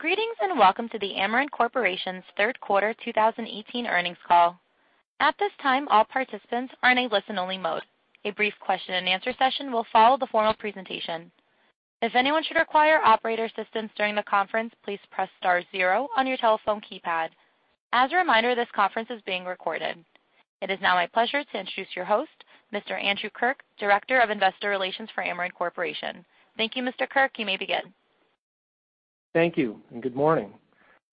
Greetings, and welcome to the Ameren Corporation's third quarter 2018 earnings call. At this time, all participants are in a listen-only mode. A brief question and answer session will follow the formal presentation. If anyone should require operator assistance during the conference, please press star zero on your telephone keypad. As a reminder, this conference is being recorded. It is now my pleasure to introduce your host, Mr. Andrew Kirk, Director of Investor Relations for Ameren Corporation. Thank you, Mr. Kirk. You may begin. Thank you, and good morning.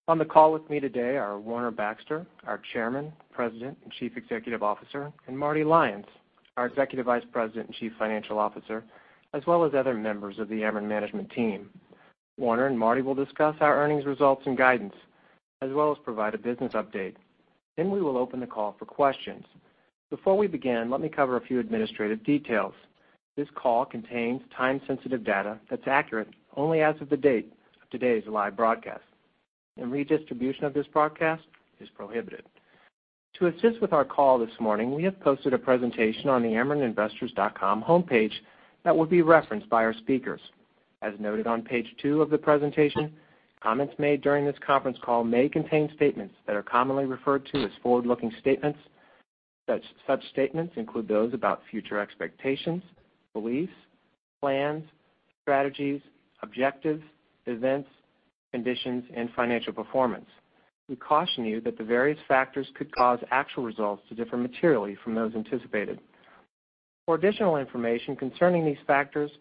On the call with me today are Warner Baxter, our Chairman, President, and Chief Executive Officer, and Marty Lyons, our Executive Vice President and Chief Financial Officer, as well as other members of the Ameren management team. Warner and Marty will discuss our earnings results and guidance, as well as provide a business update. Then we will open the call for questions. Before we begin, let me cover a few administrative details. This call contains time-sensitive data that's accurate only as of the date of today's live broadcast, and redistribution of this broadcast is prohibited. To assist with our call this morning, we have posted a presentation on the amereninvestors.com homepage that will be referenced by our speakers. As noted on page two of the presentation, comments made during this conference call may contain statements that are commonly referred to as forward-looking statements. Such statements include those about future expectations, beliefs, plans, strategies, objectives, events, conditions, and financial performance. We caution you that the various factors could cause actual results to differ materially from those anticipated. For additional information concerning these factors,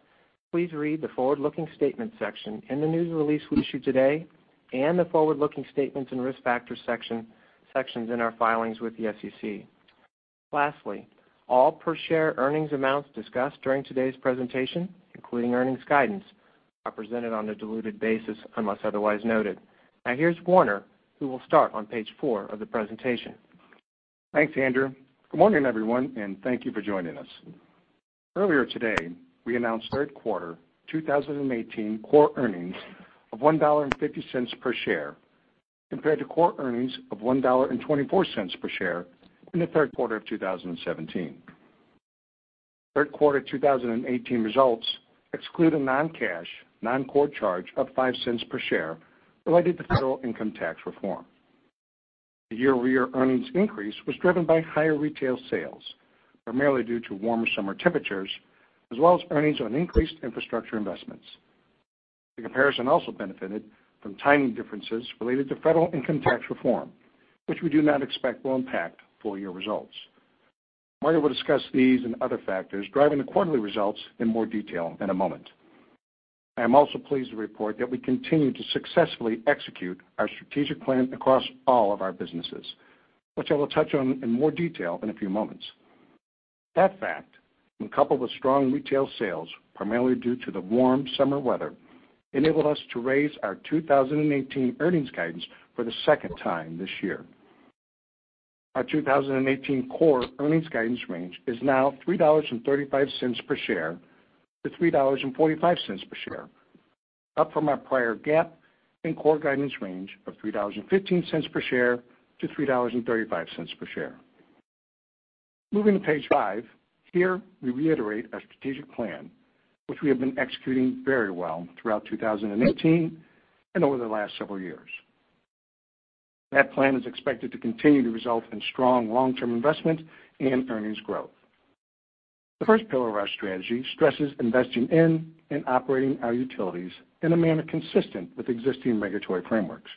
please read the forward-looking statements section in the news release we issued today and the forward-looking statements and risk factors sections in our filings with the SEC. Lastly, all per-share earnings amounts discussed during today's presentation, including earnings guidance, are presented on a diluted basis unless otherwise noted. Now here's Warner, who will start on page four of the presentation. Thanks, Andrew. Good morning, everyone, and thank you for joining us. Earlier today, we announced third quarter 2018 core earnings of $1.50 per share, compared to core earnings of $1.24 per share in the third quarter of 2017. Third quarter 2018 results exclude a non-cash, non-core charge of $0.05 per share related to federal income tax reform. The year-over-year earnings increase was driven by higher retail sales, primarily due to warmer summer temperatures, as well as earnings on increased infrastructure investments. The comparison also benefited from timing differences related to federal income tax reform, which we do not expect will impact full-year results. Marty will discuss these and other factors driving the quarterly results in more detail in a moment. I am also pleased to report that we continue to successfully execute our strategic plan across all of our businesses, which I will touch on in more detail in a few moments. That fact, when coupled with strong retail sales, primarily due to the warm summer weather, enabled us to raise our 2018 earnings guidance for the second time this year. Our 2018 core earnings guidance range is now $3.35 per share to $3.45 per share, up from our prior GAAP and core guidance range of $3.15 per share to $3.35 per share. Moving to page five. Here, we reiterate our strategic plan, which we have been executing very well throughout 2018 and over the last several years. That plan is expected to continue to result in strong long-term investment and earnings growth. The first pillar of our strategy stresses investing in and operating our utilities in a manner consistent with existing regulatory frameworks.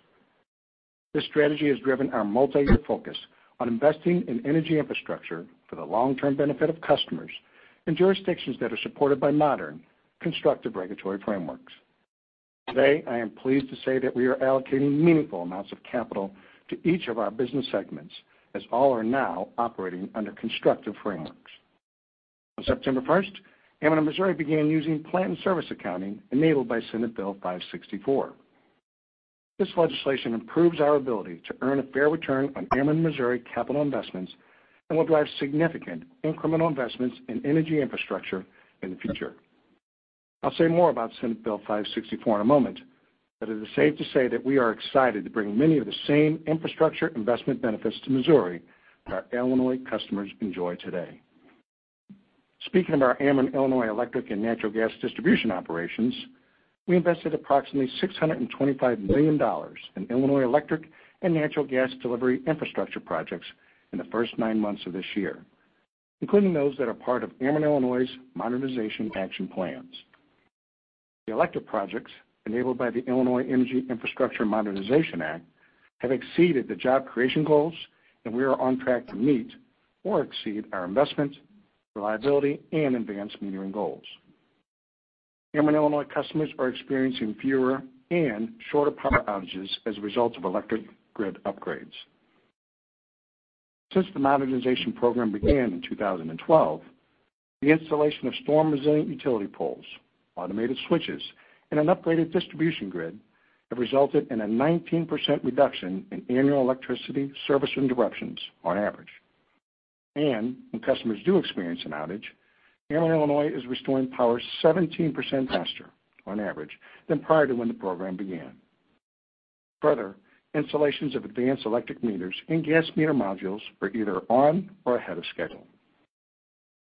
This strategy has driven our multi-year focus on investing in energy infrastructure for the long-term benefit of customers and jurisdictions that are supported by modern, constructive regulatory frameworks. Today, I am pleased to say that we are allocating meaningful amounts of capital to each of our business segments as all are now operating under constructive frameworks. On September 1st, Ameren Missouri began using plant in service accounting enabled by Senate Bill 564. This legislation improves our ability to earn a fair return on Ameren Missouri capital investments and will drive significant incremental investments in energy infrastructure in the future. I'll say more about Senate Bill 564 in a moment, but it is safe to say that we are excited to bring many of the same infrastructure investment benefits to Missouri that our Illinois customers enjoy today. Speaking of our Ameren Illinois Electric and natural gas distribution operations, we invested approximately $625 million in Illinois electric and natural gas delivery infrastructure projects in the first nine months of this year, including those that are part of Ameren Illinois's Modernization Action Plans. The electric projects enabled by the Illinois Energy Infrastructure Modernization Act have exceeded the job creation goals. We are on track to meet or exceed our investment, reliability, and advanced metering goals. Ameren Illinois customers are experiencing fewer and shorter power outages as a result of electric grid upgrades. Since the modernization program began in 2012, the installation of storm-resilient utility poles, automated switches, and an upgraded distribution grid have resulted in a 19% reduction in annual electricity service interruptions on average. When customers do experience an outage, Ameren Illinois is restoring power 17% faster, on average, than prior to when the program began. Further, installations of advanced electric meters and gas meter modules are either on or ahead of schedule.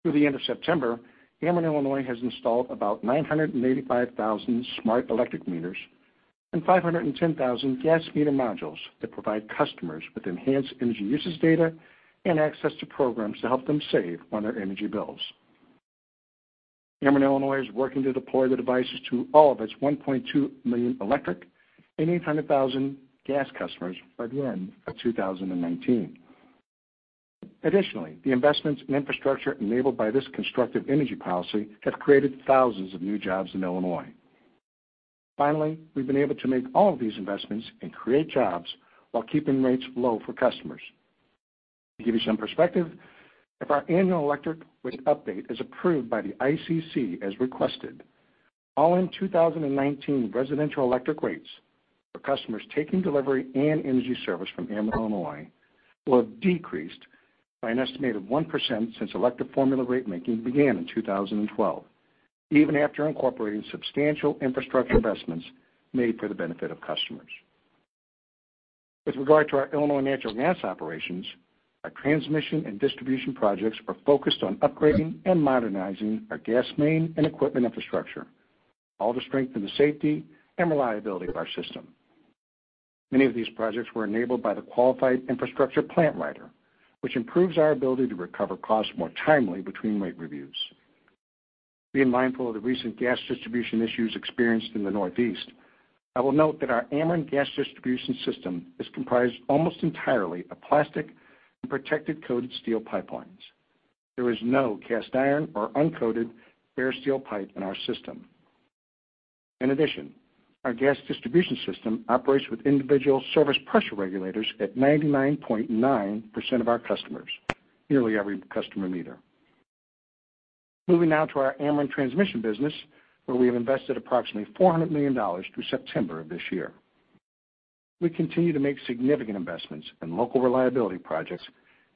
Through the end of September, Ameren Illinois has installed about 985,000 smart electric meters and 510,000 gas meter modules that provide customers with enhanced energy usage data and access to programs to help them save on their energy bills. Ameren Illinois is working to deploy the devices to all of its 1.2 million electric and 800,000 gas customers by the end of 2019. Additionally, the investments in infrastructure enabled by this constructive energy policy have created thousands of new jobs in Illinois. Finally, we've been able to make all of these investments and create jobs while keeping rates low for customers. To give you some perspective, if our annual electric rate update is approved by the ICC as requested, all in 2019 residential electric rates for customers taking delivery and energy service from Ameren Illinois will have decreased by an estimated 1% since electric formula rate making began in 2012, even after incorporating substantial infrastructure investments made for the benefit of customers. With regard to our Illinois natural gas operations, our transmission and distribution projects are focused on upgrading and modernizing our gas main and equipment infrastructure, all to strengthen the safety and reliability of our system. Many of these projects were enabled by the Qualified Infrastructure Plant rider, which improves our ability to recover costs more timely between rate reviews. Being mindful of the recent gas distribution issues experienced in the Northeast, I will note that our Ameren gas distribution system is comprised almost entirely of plastic and protected coated steel pipelines. There is no cast iron or uncoated bare steel pipe in our system. In addition, our gas distribution system operates with individual service pressure regulators at 99.9% of our customers, nearly every customer meter. Moving now to our Ameren Transmission business, where we have invested approximately $400 million through September of this year. We continue to make significant investments in local reliability projects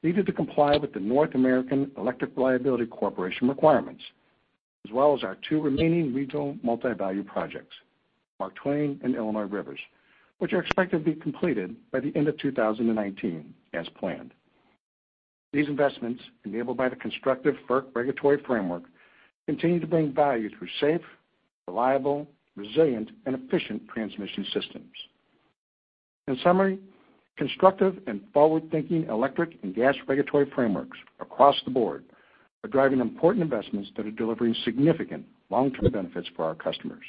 needed to comply with the North American Electric Reliability Corporation requirements, as well as our two remaining regional multi-value projects, Mark Twain and Illinois Rivers, which are expected to be completed by the end of 2019 as planned. These investments, enabled by the constructive FERC regulatory framework, continue to bring value through safe, reliable, resilient and efficient transmission systems. In summary, constructive and forward-thinking electric and gas regulatory frameworks across the board are driving important investments that are delivering significant long-term benefits for our customers.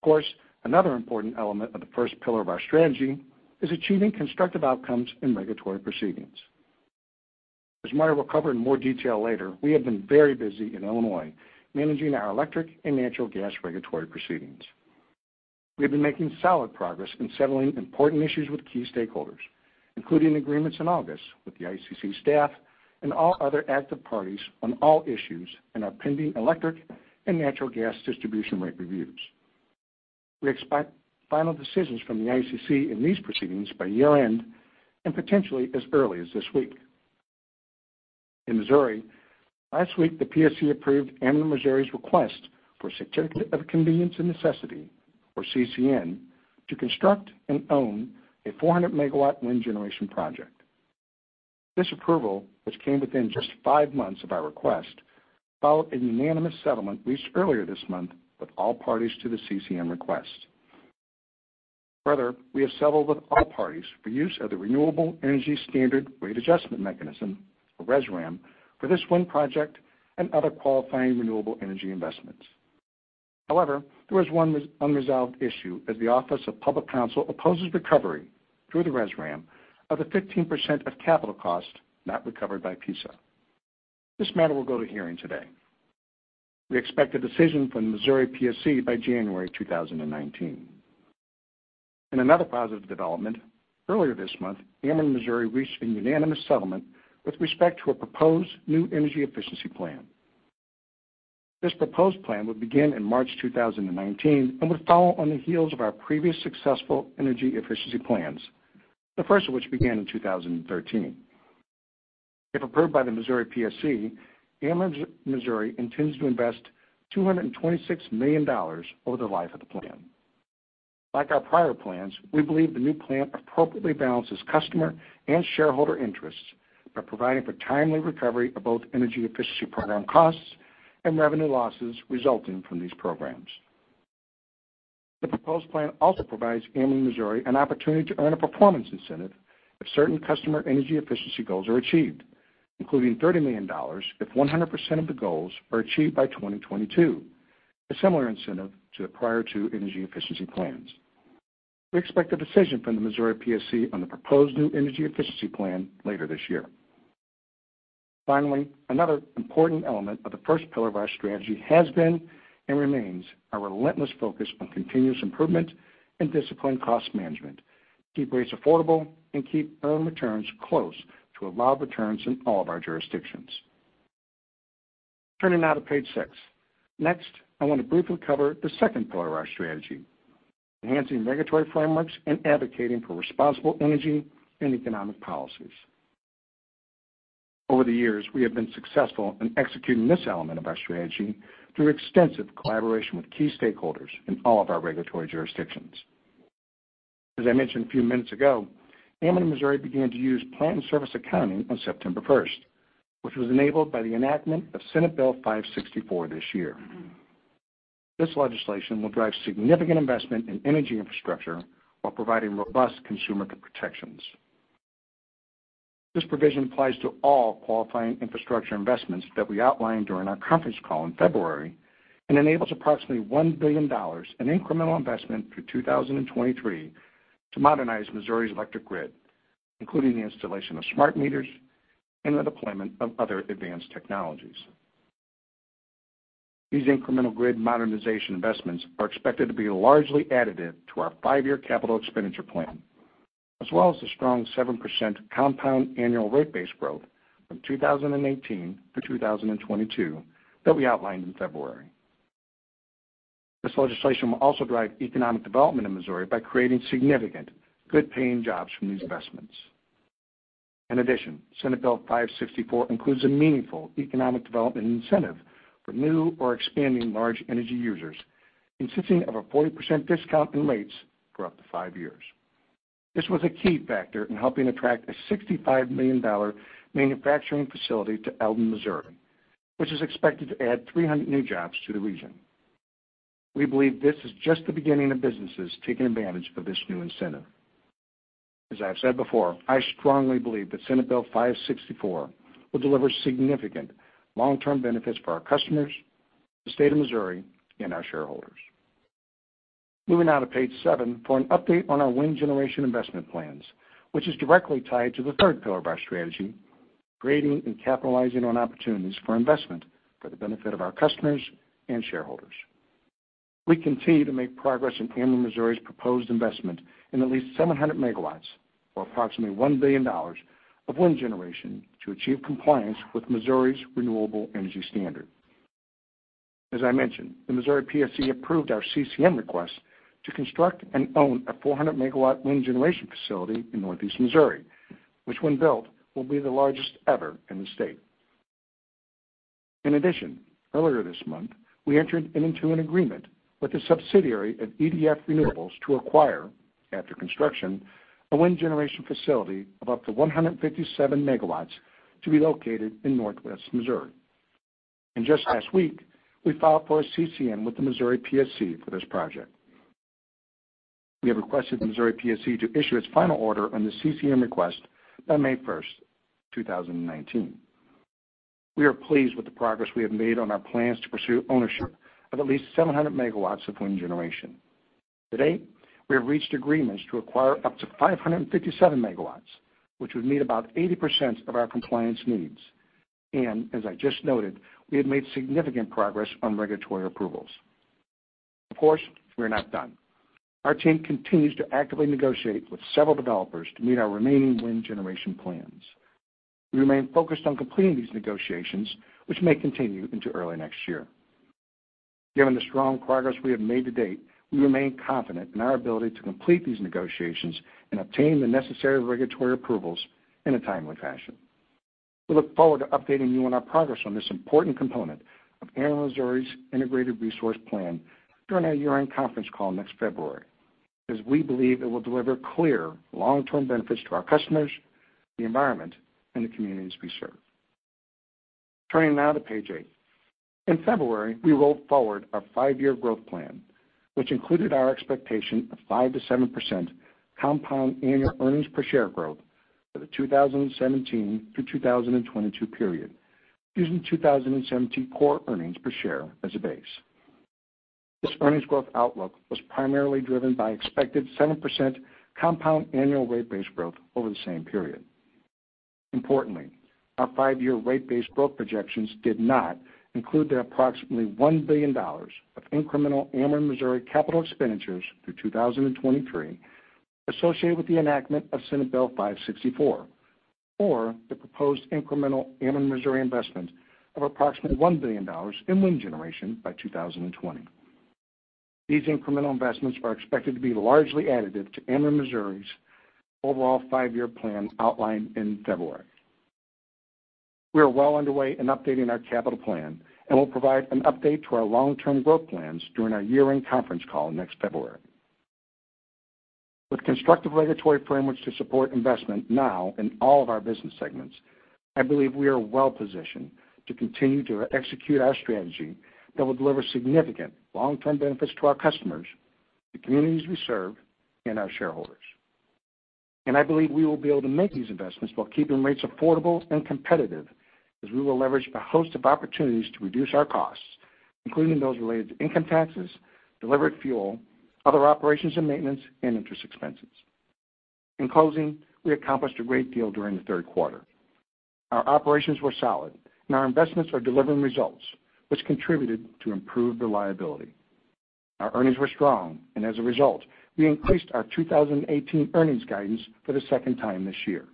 Of course, another important element of the first pillar of our strategy is achieving constructive outcomes in regulatory proceedings. As Marty will cover in more detail later, we have been very busy in Illinois managing our electric and natural gas regulatory proceedings. We have been making solid progress in settling important issues with key stakeholders, including agreements in August with the ICC staff and all other active parties on all issues in our pending electric and natural gas distribution rate reviews. We expect final decisions from the ICC in these proceedings by year-end, and potentially as early as this week. In Missouri, last week, the PSC approved Ameren Missouri's request for Certificate of Convenience and Necessity, or CCN, to construct and own a 400-megawatt wind generation project. This approval, which came within just five months of our request, followed a unanimous settlement reached earlier this month with all parties to the CCN request. Further, we have settled with all parties for use of the Renewable Energy Standard Rate Adjustment Mechanism, or RESRAM, for this wind project and other qualifying renewable energy investments. However, there is one unresolved issue as the Missouri Office of Public Counsel opposes recovery through the RESRAM of the 15% of capital costs not recovered by PISA. This matter will go to hearing today. We expect a decision from the Missouri PSC by January 2019. In another positive development, earlier this month, Ameren Missouri reached a unanimous settlement with respect to a proposed new energy efficiency plan. This proposed plan would begin in March 2019 and would follow on the heels of our previous successful energy efficiency plans, the first of which began in 2013. If approved by the Missouri PSC, Ameren Missouri intends to invest $226 million over the life of the plan. Like our prior plans, we believe the new plan appropriately balances customer and shareholder interests by providing for timely recovery of both energy efficiency program costs and revenue losses resulting from these programs. The proposed plan also provides Ameren Missouri an opportunity to earn a performance incentive if certain customer energy efficiency goals are achieved, including $30 million if 100% of the goals are achieved by 2022, a similar incentive to the prior two energy efficiency plans. We expect a decision from the Missouri PSC on the proposed new energy efficiency plan later this year. Finally, another important element of the first pillar of our strategy has been and remains our relentless focus on continuous improvement and disciplined cost management to keep rates affordable and keep earn returns close to allowed returns in all of our jurisdictions. Turning now to page six. Next, I want to briefly cover the second pillar of our strategy, enhancing regulatory frameworks and advocating for responsible energy and economic policies. Over the years, we have been successful in executing this element of our strategy through extensive collaboration with key stakeholders in all of our regulatory jurisdictions. As I mentioned a few minutes ago, Ameren Missouri began to use plant service accounting on September 1st, which was enabled by the enactment of Senate Bill 564 this year. This legislation will drive significant investment in energy infrastructure while providing robust consumer protections. This provision applies to all qualifying infrastructure investments that we outlined during our conference call in February, and enables approximately $1 billion in incremental investment through 2023 to modernize Missouri's electric grid, including the installation of smart meters and the deployment of other advanced technologies. These incremental grid modernization investments are expected to be largely additive to our five-year capital expenditure plan, as well as the strong 7% compound annual rate base growth from 2018 to 2022 that we outlined in February. This legislation will also drive economic development in Missouri by creating significant good-paying jobs from these investments. In addition, Senate Bill 564 includes a meaningful economic development incentive for new or expanding large energy users, consisting of a 40% discount in rates for up to five years. This was a key factor in helping attract a $65 million manufacturing facility to Eldon, Missouri, which is expected to add 300 new jobs to the region. We believe this is just the beginning of businesses taking advantage of this new incentive. As I have said before, I strongly believe that Senate Bill 564 will deliver significant long-term benefits for our customers, the state of Missouri, and our shareholders. Moving now to page seven for an update on our wind generation investment plans, which is directly tied to the third pillar of our strategy, creating and capitalizing on opportunities for investment for the benefit of our customers and shareholders. We continue to make progress in Ameren Missouri's proposed investment in at least 700 megawatts, or approximately $1 billion of wind generation to achieve compliance with Missouri's Renewable Energy Standard. As I mentioned, the Missouri PSC approved our CCN request to construct and own a 400-megawatt wind generation facility in Northeast Missouri, which when built, will be the largest ever in the state. In addition, earlier this month, we entered into an agreement with a subsidiary of EDF Renewables to acquire, after construction, a wind generation facility of up to 157 megawatts to be located in Northwest Missouri. Just last week, we filed for a CCN with the Missouri PSC for this project. We have requested the Missouri PSC to issue its final order on the CCN request by May 1st, 2019. We are pleased with the progress we have made on our plans to pursue ownership of at least 700 megawatts of wind generation. To date, we have reached agreements to acquire up to 557 megawatts, which would meet about 80% of our compliance needs. As I just noted, we have made significant progress on regulatory approvals. Of course, we're not done. Our team continues to actively negotiate with several developers to meet our remaining wind generation plans. We remain focused on completing these negotiations, which may continue into early next year. Given the strong progress we have made to date, we remain confident in our ability to complete these negotiations and obtain the necessary regulatory approvals in a timely fashion. We look forward to updating you on our progress on this important component of Ameren Missouri's Integrated Resource Plan during our year-end conference call next February, as we believe it will deliver clear long-term benefits to our customers, the environment, and the communities we serve. Turning now to page eight. In February, we rolled forward our five-year growth plan, which included our expectation of 5%-7% compound annual earnings per share growth for the 2017 through 2022 period, using 2017 core earnings per share as a base. This earnings growth outlook was primarily driven by expected 7% compound annual rate base growth over the same period. Importantly, our five-year rate base growth projections did not include the approximately $1 billion of incremental Ameren Missouri capital expenditures through 2023 associated with the enactment of Senate Bill 564, or the proposed incremental Ameren Missouri investment of approximately $1 billion in wind generation by 2020. These incremental investments are expected to be largely additive to Ameren Missouri's overall five-year plan outlined in February. We are well underway in updating our capital plan and will provide an update to our long-term growth plans during our year-end conference call next February. With constructive regulatory frameworks to support investment now in all of our business segments, I believe we are well-positioned to continue to execute our strategy that will deliver significant long-term benefits to our customers, the communities we serve, and our shareholders. I believe we will be able to make these investments while keeping rates affordable and competitive as we will leverage a host of opportunities to reduce our costs, including those related to income taxes, delivered fuel, other operations and maintenance, and interest expenses. In closing, we accomplished a great deal during the third quarter. Our operations were solid and our investments are delivering results, which contributed to improved reliability. Our earnings were strong, and as a result, we increased our 2018 earnings guidance for the second time this year.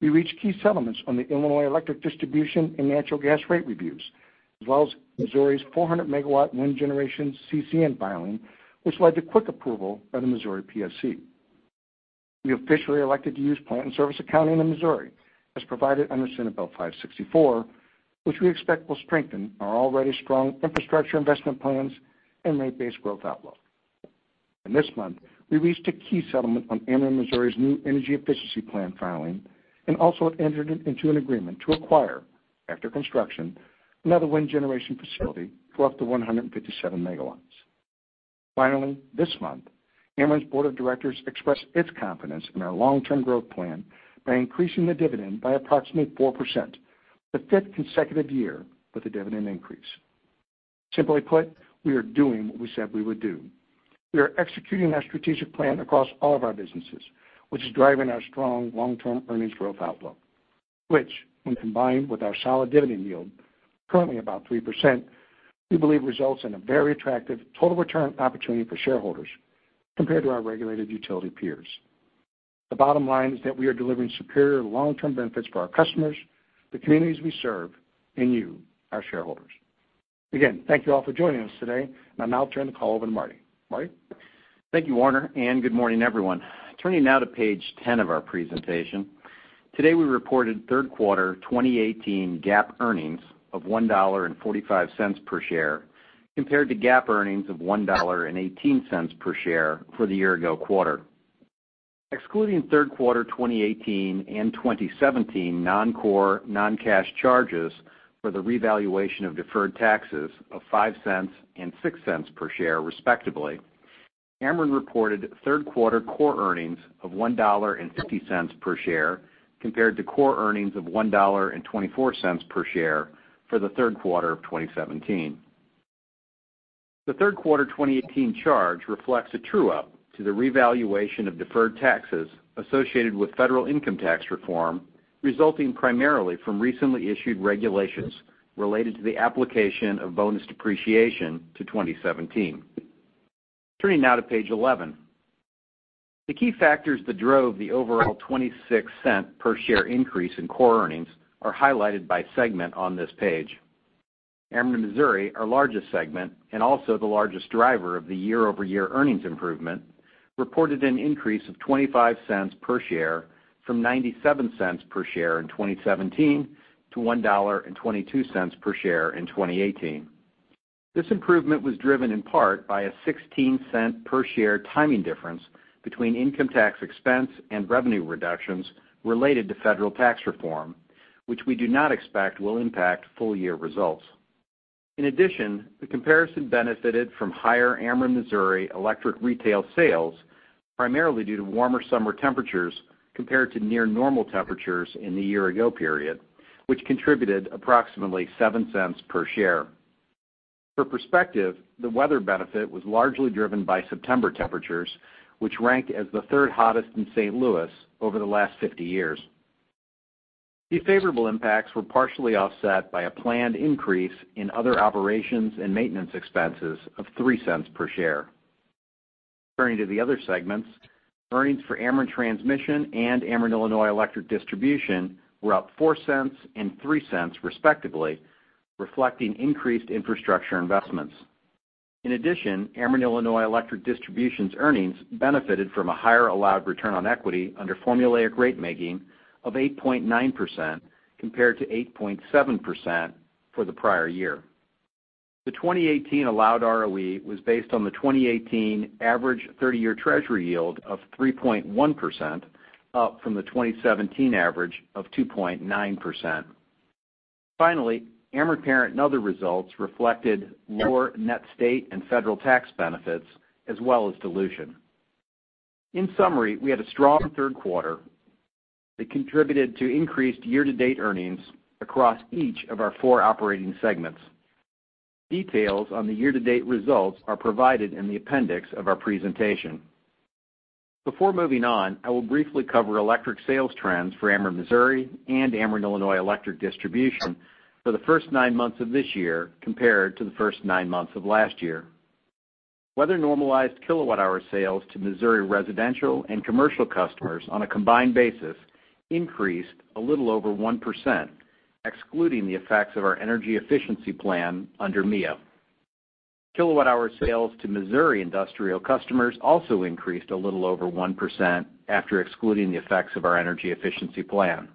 We reached key settlements on the Illinois electric distribution and natural gas rate reviews, as well as Missouri's 400-megawatt wind generation CCN filing, which led to quick approval by the Missouri PSC. We officially elected to use plant and service accounting in Missouri as provided under Senate Bill 564, which we expect will strengthen our already strong infrastructure investment plans and rate base growth outlook. This month, we reached a key settlement on Ameren Missouri's new energy efficiency plan filing and also entered into an agreement to acquire, after construction, another wind generation facility for up to 157 megawatts. Finally, this month, Ameren's board of directors expressed its confidence in our long-term growth plan by increasing the dividend by approximately 4%, the fifth consecutive year with a dividend increase. Simply put, we are doing what we said we would do. We are executing our strategic plan across all of our businesses, which is driving our strong long-term earnings growth outlook, which, when combined with our solid dividend yield, currently about 3%, we believe results in a very attractive total return opportunity for shareholders compared to our regulated utility peers. The bottom line is that we are delivering superior long-term benefits for our customers, the communities we serve, and you, our shareholders. Again, thank you all for joining us today. I'll now turn the call over to Marty. Marty? Thank you, Warner, and good morning, everyone. Turning now to page 10 of our presentation. Today, we reported third quarter 2018 GAAP earnings of $1.45 per share, compared to GAAP earnings of $1.18 per share for the year ago quarter. Excluding third quarter 2018 and 2017 non-core, non-cash charges for the revaluation of deferred taxes of $0.05 and $0.06 per share, respectively, Ameren reported third quarter core earnings of $1.50 per share, compared to core earnings of $1.24 per share for the third quarter of 2017. The third quarter 2018 charge reflects a true-up to the revaluation of deferred taxes associated with federal income tax reform, resulting primarily from recently issued regulations related to the application of bonus depreciation to 2017. Turning now to page 11. The key factors that drove the overall $0.26 per share increase in core earnings are highlighted by segment on this page. Ameren Missouri, our largest segment and also the largest driver of the year-over-year earnings improvement, reported an increase of $0.25 per share from $0.97 per share in 2017 to $1.22 per share in 2018. This improvement was driven in part by a $0.16 per share timing difference between income tax expense and revenue reductions related to federal tax reform, which we do not expect will impact full-year results. In addition, the comparison benefited from higher Ameren Missouri Electric retail sales, primarily due to warmer summer temperatures compared to near-normal temperatures in the year-ago period, which contributed approximately $0.07 per share. For perspective, the weather benefit was largely driven by September temperatures, which ranked as the third hottest in St. Louis over the last 50 years. These favorable impacts were partially offset by a planned increase in other operations and maintenance expenses of $0.03 per share. Turning to the other segments, earnings for Ameren Transmission and Ameren Illinois Electric Distribution were up $0.04 and $0.03 respectively, reflecting increased infrastructure investments. In addition, Ameren Illinois Electric Distribution's earnings benefited from a higher allowed return on equity under formula ratemaking of 8.9% compared to 8.7% for the prior year. The 2018 allowed ROE was based on the 2018 average 30-year Treasury yield of 3.1%, up from the 2017 average of 2.9%. Finally, Ameren Parent and Other results reflected lower net state and federal tax benefits as well as dilution. In summary, we had a strong third quarter that contributed to increased year-to-date earnings across each of our four operating segments. Details on the year-to-date results are provided in the appendix of our presentation. Before moving on, I will briefly cover electric sales trends for Ameren Missouri and Ameren Illinois Electric Distribution for the first nine months of this year compared to the first nine months of last year. Weather-normalized kilowatt-hour sales to Missouri residential and commercial customers on a combined basis increased a little over 1%, excluding the effects of our energy efficiency plan under MEA. Kilowatt-hour sales to Missouri industrial customers also increased a little over 1% after excluding the effects of our energy efficiency plan.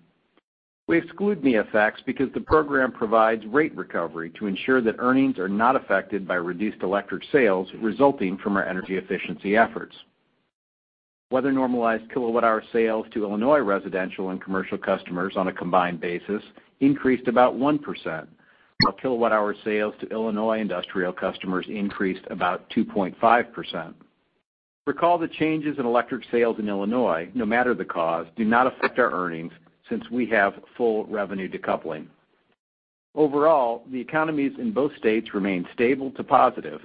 We exclude MEA effects because the program provides rate recovery to ensure that earnings are not affected by reduced electric sales resulting from our energy efficiency efforts. Weather-normalized kilowatt-hour sales to Illinois residential and commercial customers on a combined basis increased about 1%, while kilowatt-hour sales to Illinois industrial customers increased about 2.5%. Recall that changes in electric sales in Illinois, no matter the cause, do not affect our earnings since we have full revenue decoupling. Overall, the economies in both states remain stable to positive,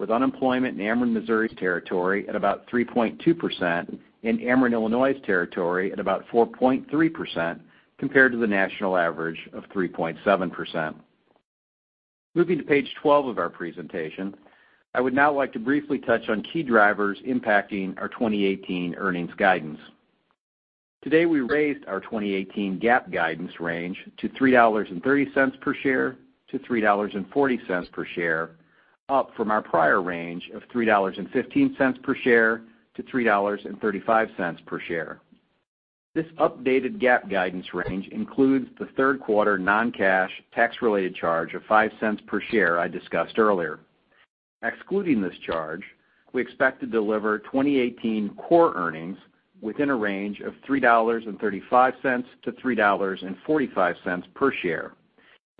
with unemployment in Ameren Missouri's territory at about 3.2% and Ameren Illinois' territory at about 4.3%, compared to the national average of 3.7%. Moving to page 12 of our presentation. I would now like to briefly touch on key drivers impacting our 2018 earnings guidance. Today, we raised our 2018 GAAP guidance range to $3.30 per share to $3.40 per share, up from our prior range of $3.15 per share to $3.35 per share. This updated GAAP guidance range includes the third quarter non-cash tax-related charge of $0.05 per share I discussed earlier. Excluding this charge, we expect to deliver 2018 core earnings within a range of $3.35 to $3.45 per share,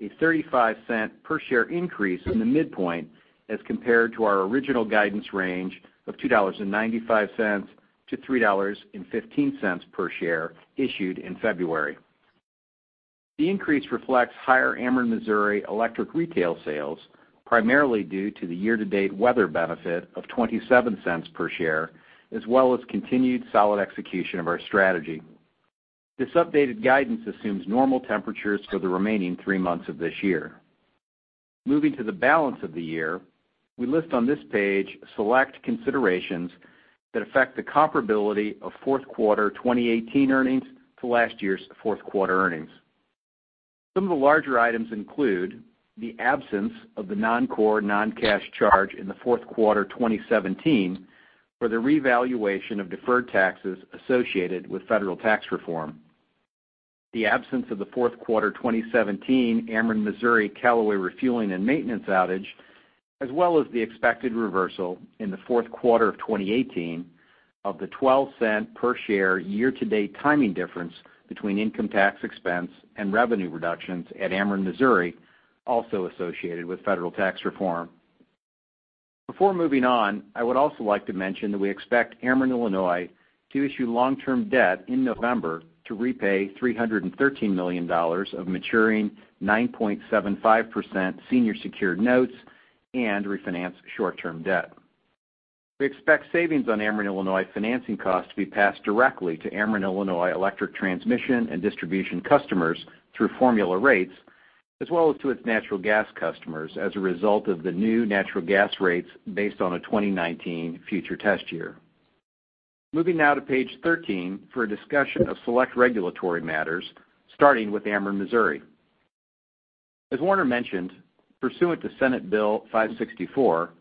a $0.35 per share increase in the midpoint as compared to our original guidance range of $2.95 to $3.15 per share issued in February. The increase reflects higher Ameren Missouri electric retail sales, primarily due to the year-to-date weather benefit of $0.27 per share, as well as continued solid execution of our strategy. This updated guidance assumes normal temperatures for the remaining three months of this year. Moving to the balance of the year, we list on this page select considerations that affect the comparability of fourth quarter 2018 earnings to last year's fourth quarter earnings. Some of the larger items include the absence of the non-core, non-cash charge in the fourth quarter 2017 for the revaluation of deferred taxes associated with federal tax reform, the absence of the fourth quarter 2017 Ameren Missouri Callaway refueling and maintenance outage, as well as the expected reversal in the fourth quarter of 2018 of the $0.12 per share year-to-date timing difference between income tax expense and revenue reductions at Ameren Missouri, also associated with federal tax reform. Before moving on, I would also like to mention that we expect Ameren Illinois to issue long-term debt in November to repay $313 million of maturing 9.75% senior secured notes and refinance short-term debt. We expect savings on Ameren Illinois financing costs to be passed directly to Ameren Illinois Electric Transmission and Distribution customers through formula rates, as well as to its natural gas customers as a result of the new natural gas rates based on a 2019 future test year. Moving now to page 13 for a discussion of select regulatory matters, starting with Ameren Missouri. As Warner mentioned, pursuant to Senate Bill 564,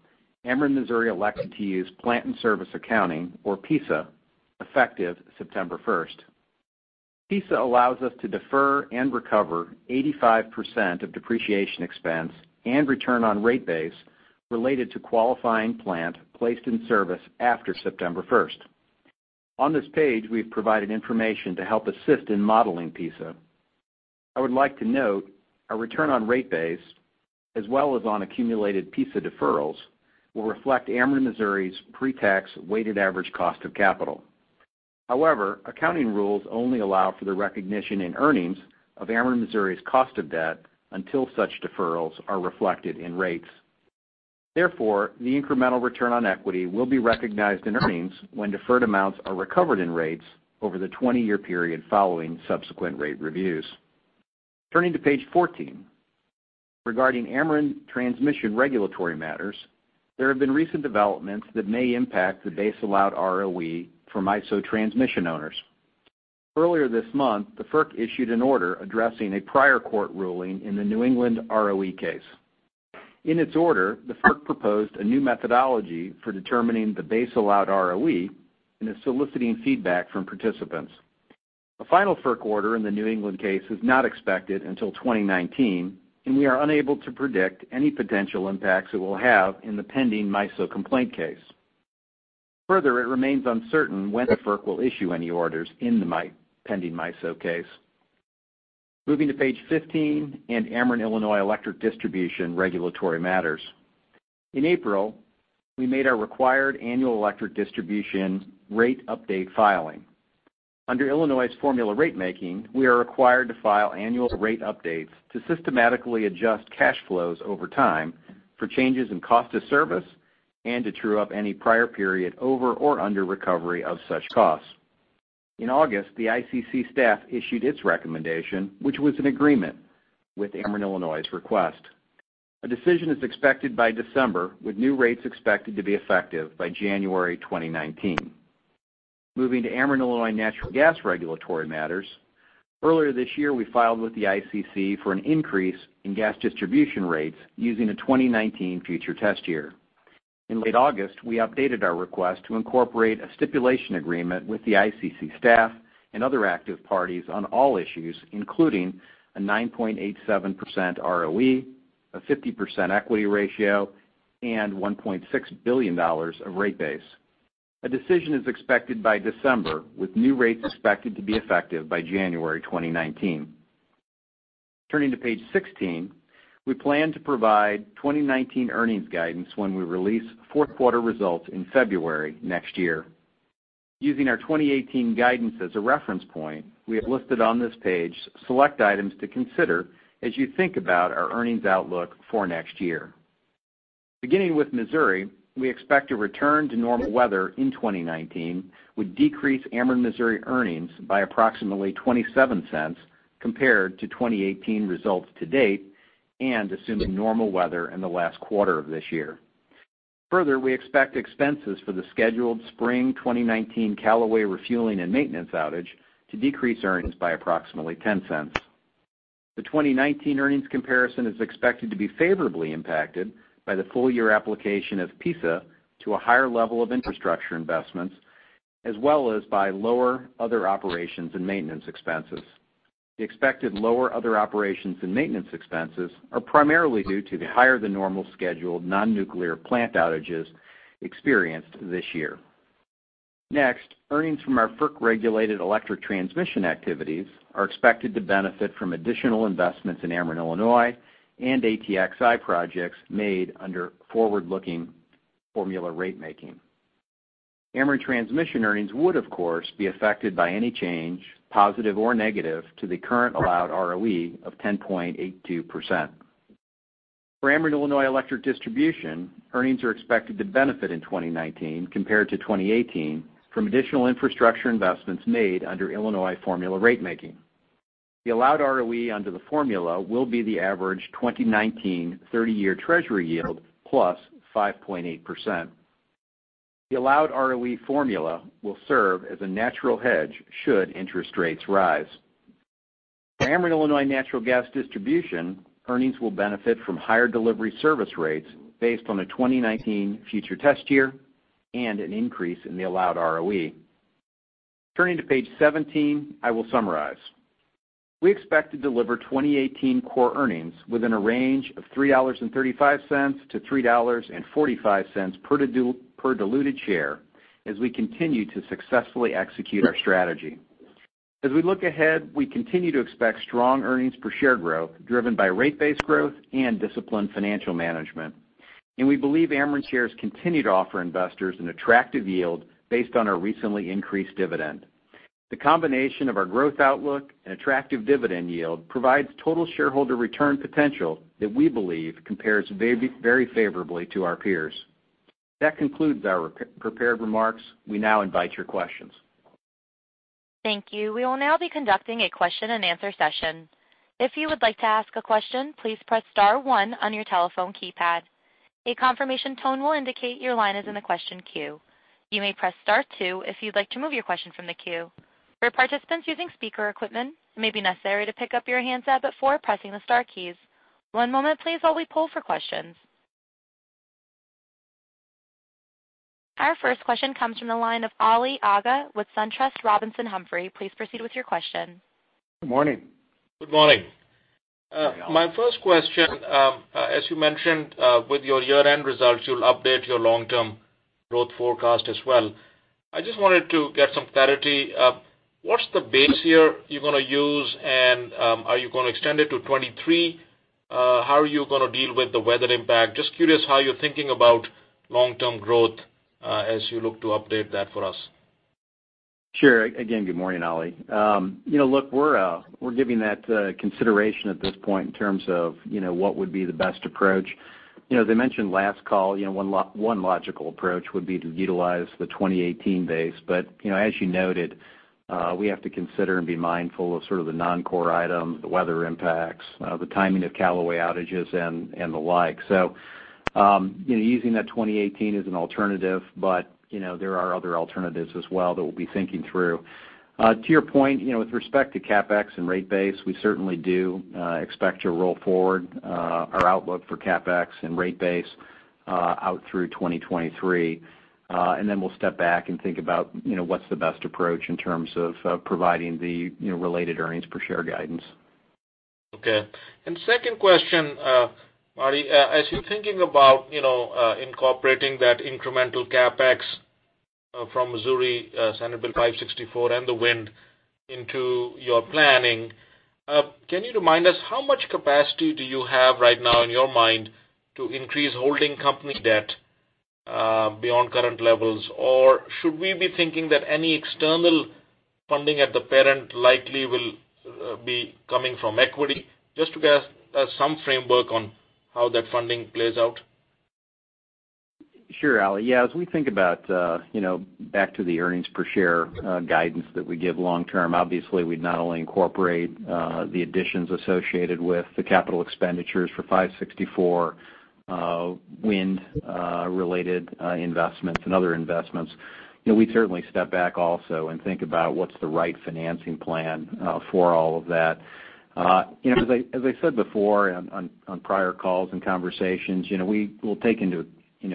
Ameren Missouri elected to use plant in service accounting, or PISA, effective September 1st. PISA allows us to defer and recover 85% of depreciation expense and return on rate base related to qualifying plant placed in service after September 1st. On this page, we've provided information to help assist in modeling PISA. I would like to note a return on rate base, as well as on accumulated PISA deferrals, will reflect Ameren Missouri's pre-tax weighted average cost of capital. However, accounting rules only allow for the recognition in earnings of Ameren Missouri's cost of debt until such deferrals are reflected in rates. Therefore, the incremental return on equity will be recognized in earnings when deferred amounts are recovered in rates over the 20-year period following subsequent rate reviews. Turning to page 14. Regarding Ameren Transmission regulatory matters, there have been recent developments that may impact the base allowed ROE from MISO transmission owners. Earlier this month, the FERC issued an order addressing a prior court ruling in the New England ROE case. In its order, the FERC proposed a new methodology for determining the base allowed ROE and is soliciting feedback from participants. A final FERC order in the New England case is not expected until 2019, and we are unable to predict any potential impacts it will have in the pending MISO complaint case. Further, it remains uncertain when the FERC will issue any orders in the pending MISO case. Moving to page 15 and Ameren Illinois Electric Distribution regulatory matters. In April, we made our required annual electric distribution rate update filing. Under Illinois' formula ratemaking, we are required to file annual rate updates to systematically adjust cash flows over time for changes in cost of service and to true-up any prior period over or under recovery of such costs. In August, the ICC staff issued its recommendation, which was an agreement with Ameren Illinois' request. A decision is expected by December, with new rates expected to be effective by January 2019. Moving to Ameren Illinois Natural Gas regulatory matters. Earlier this year, we filed with the ICC for an increase in gas distribution rates using a 2019 future test year. In late August, we updated our request to incorporate a stipulation agreement with the ICC staff and other active parties on all issues, including a 9.87% ROE, a 50% equity ratio, and $1.6 billion of rate base. A decision is expected by December, with new rates expected to be effective by January 2019. Turning to page 16, we plan to provide 2019 earnings guidance when we release fourth quarter results in February next year. Using our 2018 guidance as a reference point, we have listed on this page select items to consider as you think about our earnings outlook for next year. Beginning with Ameren Missouri, we expect a return to normal weather in 2019 would decrease Ameren Missouri earnings by approximately $0.27 compared to 2018 results to date and assuming normal weather in the last quarter of this year. Further, we expect expenses for the scheduled Spring 2019 Callaway refueling and maintenance outage to decrease earnings by approximately $0.10. The 2019 earnings comparison is expected to be favorably impacted by the full-year application of PISA to a higher level of infrastructure investments, as well as by lower other operations and maintenance expenses. The expected lower other operations and maintenance expenses are primarily due to the higher-than-normal scheduled non-nuclear plant outages experienced this year. Next, earnings from our FERC-regulated electric transmission activities are expected to benefit from additional investments in Ameren Illinois and ATXI projects made under forward-looking formula ratemaking. Ameren Transmission earnings would, of course, be affected by any change, positive or negative, to the current allowed ROE of 10.82%. For Ameren Illinois Electric Distribution, earnings are expected to benefit in 2019 compared to 2018 from additional infrastructure investments made under Illinois formula ratemaking. The allowed ROE under the formula will be the average 2019 30-year Treasury yield plus 5.8%. The allowed ROE formula will serve as a natural hedge should interest rates rise. For Ameren Illinois Natural Gas Distribution, earnings will benefit from higher delivery service rates based on a 2019 future test year and an increase in the allowed ROE. Turning to page 17, I will summarize. We expect to deliver 2018 core earnings within a range of $3.35-$3.45 per diluted share as we continue to successfully execute our strategy. As we look ahead, we continue to expect strong earnings per share growth driven by rate base growth and disciplined financial management, and we believe Ameren shares continue to offer investors an attractive yield based on our recently increased dividend. The combination of our growth outlook and attractive dividend yield provides total shareholder return potential that we believe compares very favorably to our peers. That concludes our prepared remarks. We now invite your questions. Thank you. We will now be conducting a question-and-answer session. If you would like to ask a question, please press *1 on your telephone keypad. A confirmation tone will indicate your line is in the question queue. You may press *2 if you'd like to move your question from the queue. For participants using speaker equipment, it may be necessary to pick up your handset before pressing the star keys. One moment please while we poll for questions. Our first question comes from the line of Ali Agha with SunTrust Robinson Humphrey. Please proceed with your question. Good morning. Good morning. Hi, Ali. My first question. As you mentioned with your year-end results, you'll update your long-term growth forecast as well. I just wanted to get some clarity. What's the base year you're going to use, and are you going to extend it to 2023? How are you going to deal with the weather impact? Just curious how you're thinking about long-term growth as you look to update that for us. Sure. Again, good morning, Ali. Look, we're giving that consideration at this point in terms of what would be the best approach. As I mentioned last call, one logical approach would be to utilize the 2018 base. As you noted, we have to consider and be mindful of sort of the non-core items, the weather impacts, the timing of Callaway outages, and the like. Using that 2018 as an alternative, but there are other alternatives as well that we'll be thinking through. To your point, with respect to CapEx and rate base, we certainly do expect to roll forward our outlook for CapEx and rate base out through 2023. Then we'll step back and think about what's the best approach in terms of providing the related earnings per share guidance. Okay. Second question, Marty. As you're thinking about incorporating that incremental CapEx from Missouri Senate Bill 564 and the wind into your planning, can you remind us how much capacity do you have right now in your mind to increase holding company debt beyond current levels? Should we be thinking that any external funding at the parent likely will be coming from equity? Just to get some framework on how that funding plays out. Sure, Ali. As we think about back to the earnings per share guidance that we give long term, obviously, we'd not only incorporate the additions associated with the capital expenditures for 564 wind-related investments and other investments. We'd certainly step back also and think about what's the right financing plan for all of that. As I said before on prior calls and conversations, we'll take into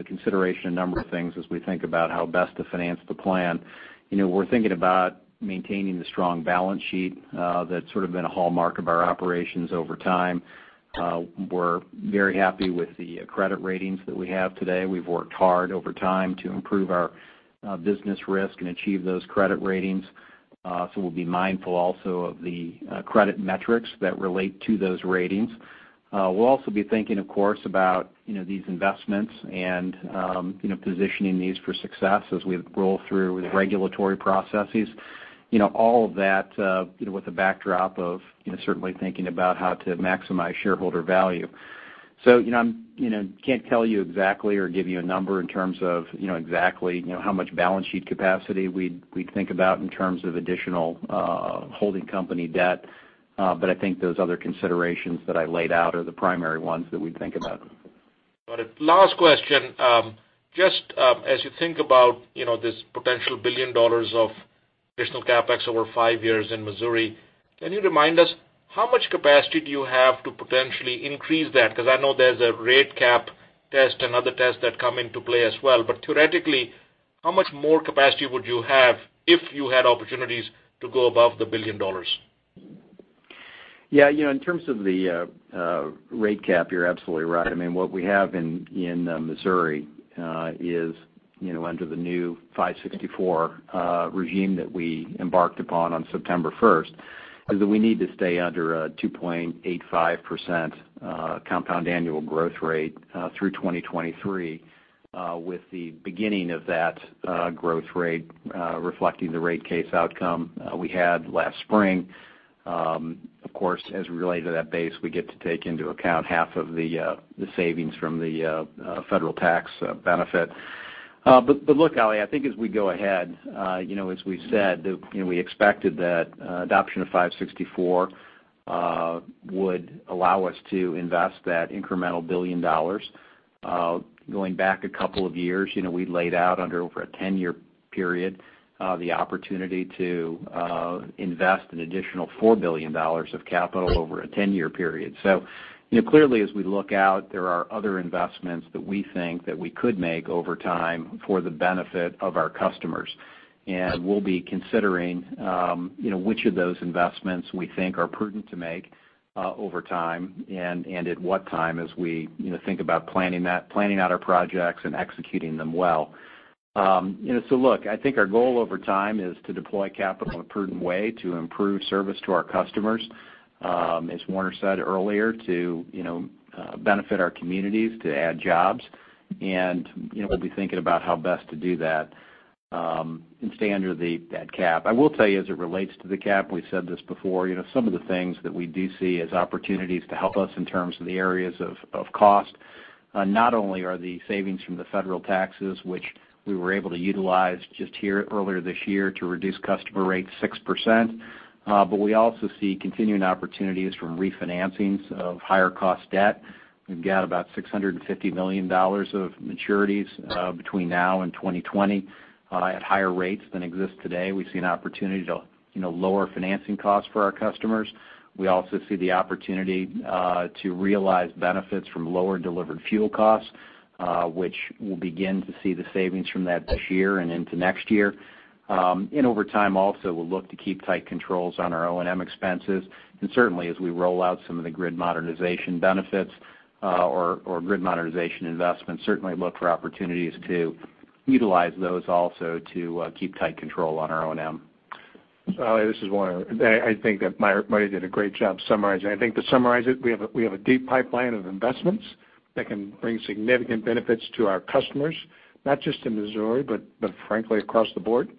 consideration a number of things as we think about how best to finance the plan. We're thinking about maintaining the strong balance sheet that's sort of been a hallmark of our operations over time. We're very happy with the credit ratings that we have today. We've worked hard over time to improve our business risk and achieve those credit ratings. So we'll be mindful also of the credit metrics that relate to those ratings. We'll also be thinking, of course, about these investments and positioning these for success as we roll through the regulatory processes. All of that with the backdrop of certainly thinking about how to maximize shareholder value. I can't tell you exactly or give you a number in terms of exactly how much balance sheet capacity we'd think about in terms of additional holding company debt. I think those other considerations that I laid out are the primary ones that we'd think about. Got it. Last question. Just as you think about this potential $1 billion of additional CapEx over five years in Missouri, can you remind us how much capacity do you have to potentially increase that? Because I know there's a rate cap test and other tests that come into play as well, but theoretically, how much more capacity would you have if you had opportunities to go above the $1 billion? Yeah. In terms of the rate cap, you're absolutely right. What we have in Missouri is under the new 564 regime that we embarked upon on September 1st, is that we need to stay under a 2.85% compound annual growth rate through 2023 with the beginning of that growth rate reflecting the rate case outcome we had last spring. Of course, as we relate to that base, we get to take into account half of the savings from the federal tax benefit. Look, Ali, I think as we go ahead, as we've said, we expected that adoption of 564 would allow us to invest that incremental $1 billion. Going back a couple of years, we laid out under over a 10-year period, the opportunity to invest an additional $4 billion of capital over a 10-year period. Clearly, as we look out, there are other investments that we think that we could make over time for the benefit of our customers. We'll be considering which of those investments we think are prudent to make over time, and at what time as we think about planning out our projects and executing them well. Look, I think our goal over time is to deploy capital in a prudent way to improve service to our customers, as Warner said earlier, to benefit our communities, to add jobs, and we'll be thinking about how best to do that and stay under that cap. I will tell you as it relates to the cap, we've said this before, some of the things that we do see as opportunities to help us in terms of the areas of cost, not only are the savings from the federal taxes, which we were able to utilize just here earlier this year to reduce customer rates 6%, but we also see continuing opportunities from refinancings of higher cost debt. We've got about $650 million of maturities between now and 2020 at higher rates than exist today. We see an opportunity to lower financing costs for our customers. We also see the opportunity to realize benefits from lower delivered fuel costs, which we'll begin to see the savings from that this year and into next year. Over time also, we'll look to keep tight controls on our O&M expenses, and certainly as we roll out some of the grid modernization benefits or grid modernization investments, certainly look for opportunities to utilize those also to keep tight control on our O&M. Ali, this is Warner. I think that Marty did a great job summarizing. I think to summarize it, we have a deep pipeline of investments that can bring significant benefits to our customers, not just in Missouri, but frankly, across the board.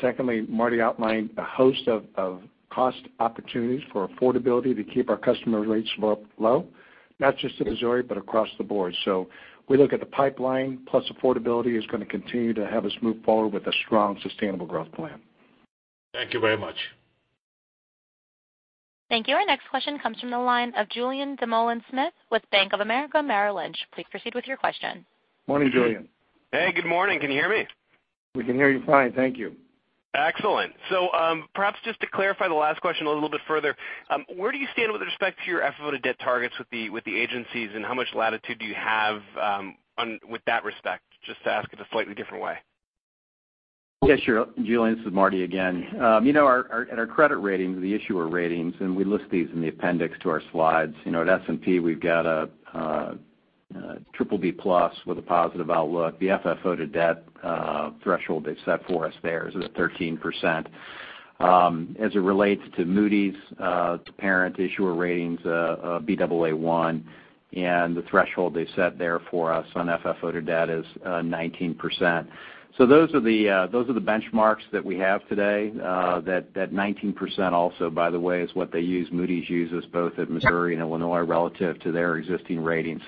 Secondly, Marty outlined a host of cost opportunities for affordability to keep our customer rates low, not just in Missouri, but across the board. We look at the pipeline, plus affordability is going to continue to have us move forward with a strong, sustainable growth plan. Thank you very much. Thank you. Our next question comes from the line of Julien Dumoulin-Smith with Bank of America Merrill Lynch. Please proceed with your question. Morning, Julien. Hey, good morning. Can you hear me? We can hear you fine. Thank you. Excellent. Perhaps just to clarify the last question a little bit further, where do you stand with respect to your FFO to debt targets with the agencies, and how much latitude do you have with that respect? Just to ask it a slightly different way. Yeah, sure. Julien, this is Marty again. Our credit ratings, the issuer ratings, We list these in the appendix to our slides. At S&P, we've got a BBB+ with a positive outlook. The FFO to debt threshold they've set for us there is at 13%. As it relates to Moody's, to parent issuer ratings, a Baa1, and the threshold they've set there for us on FFO to debt is 19%. Those are the benchmarks that we have today. That 19% also, by the way, is what they use, Moody's uses both at Missouri- Sure and Illinois relative to their existing ratings.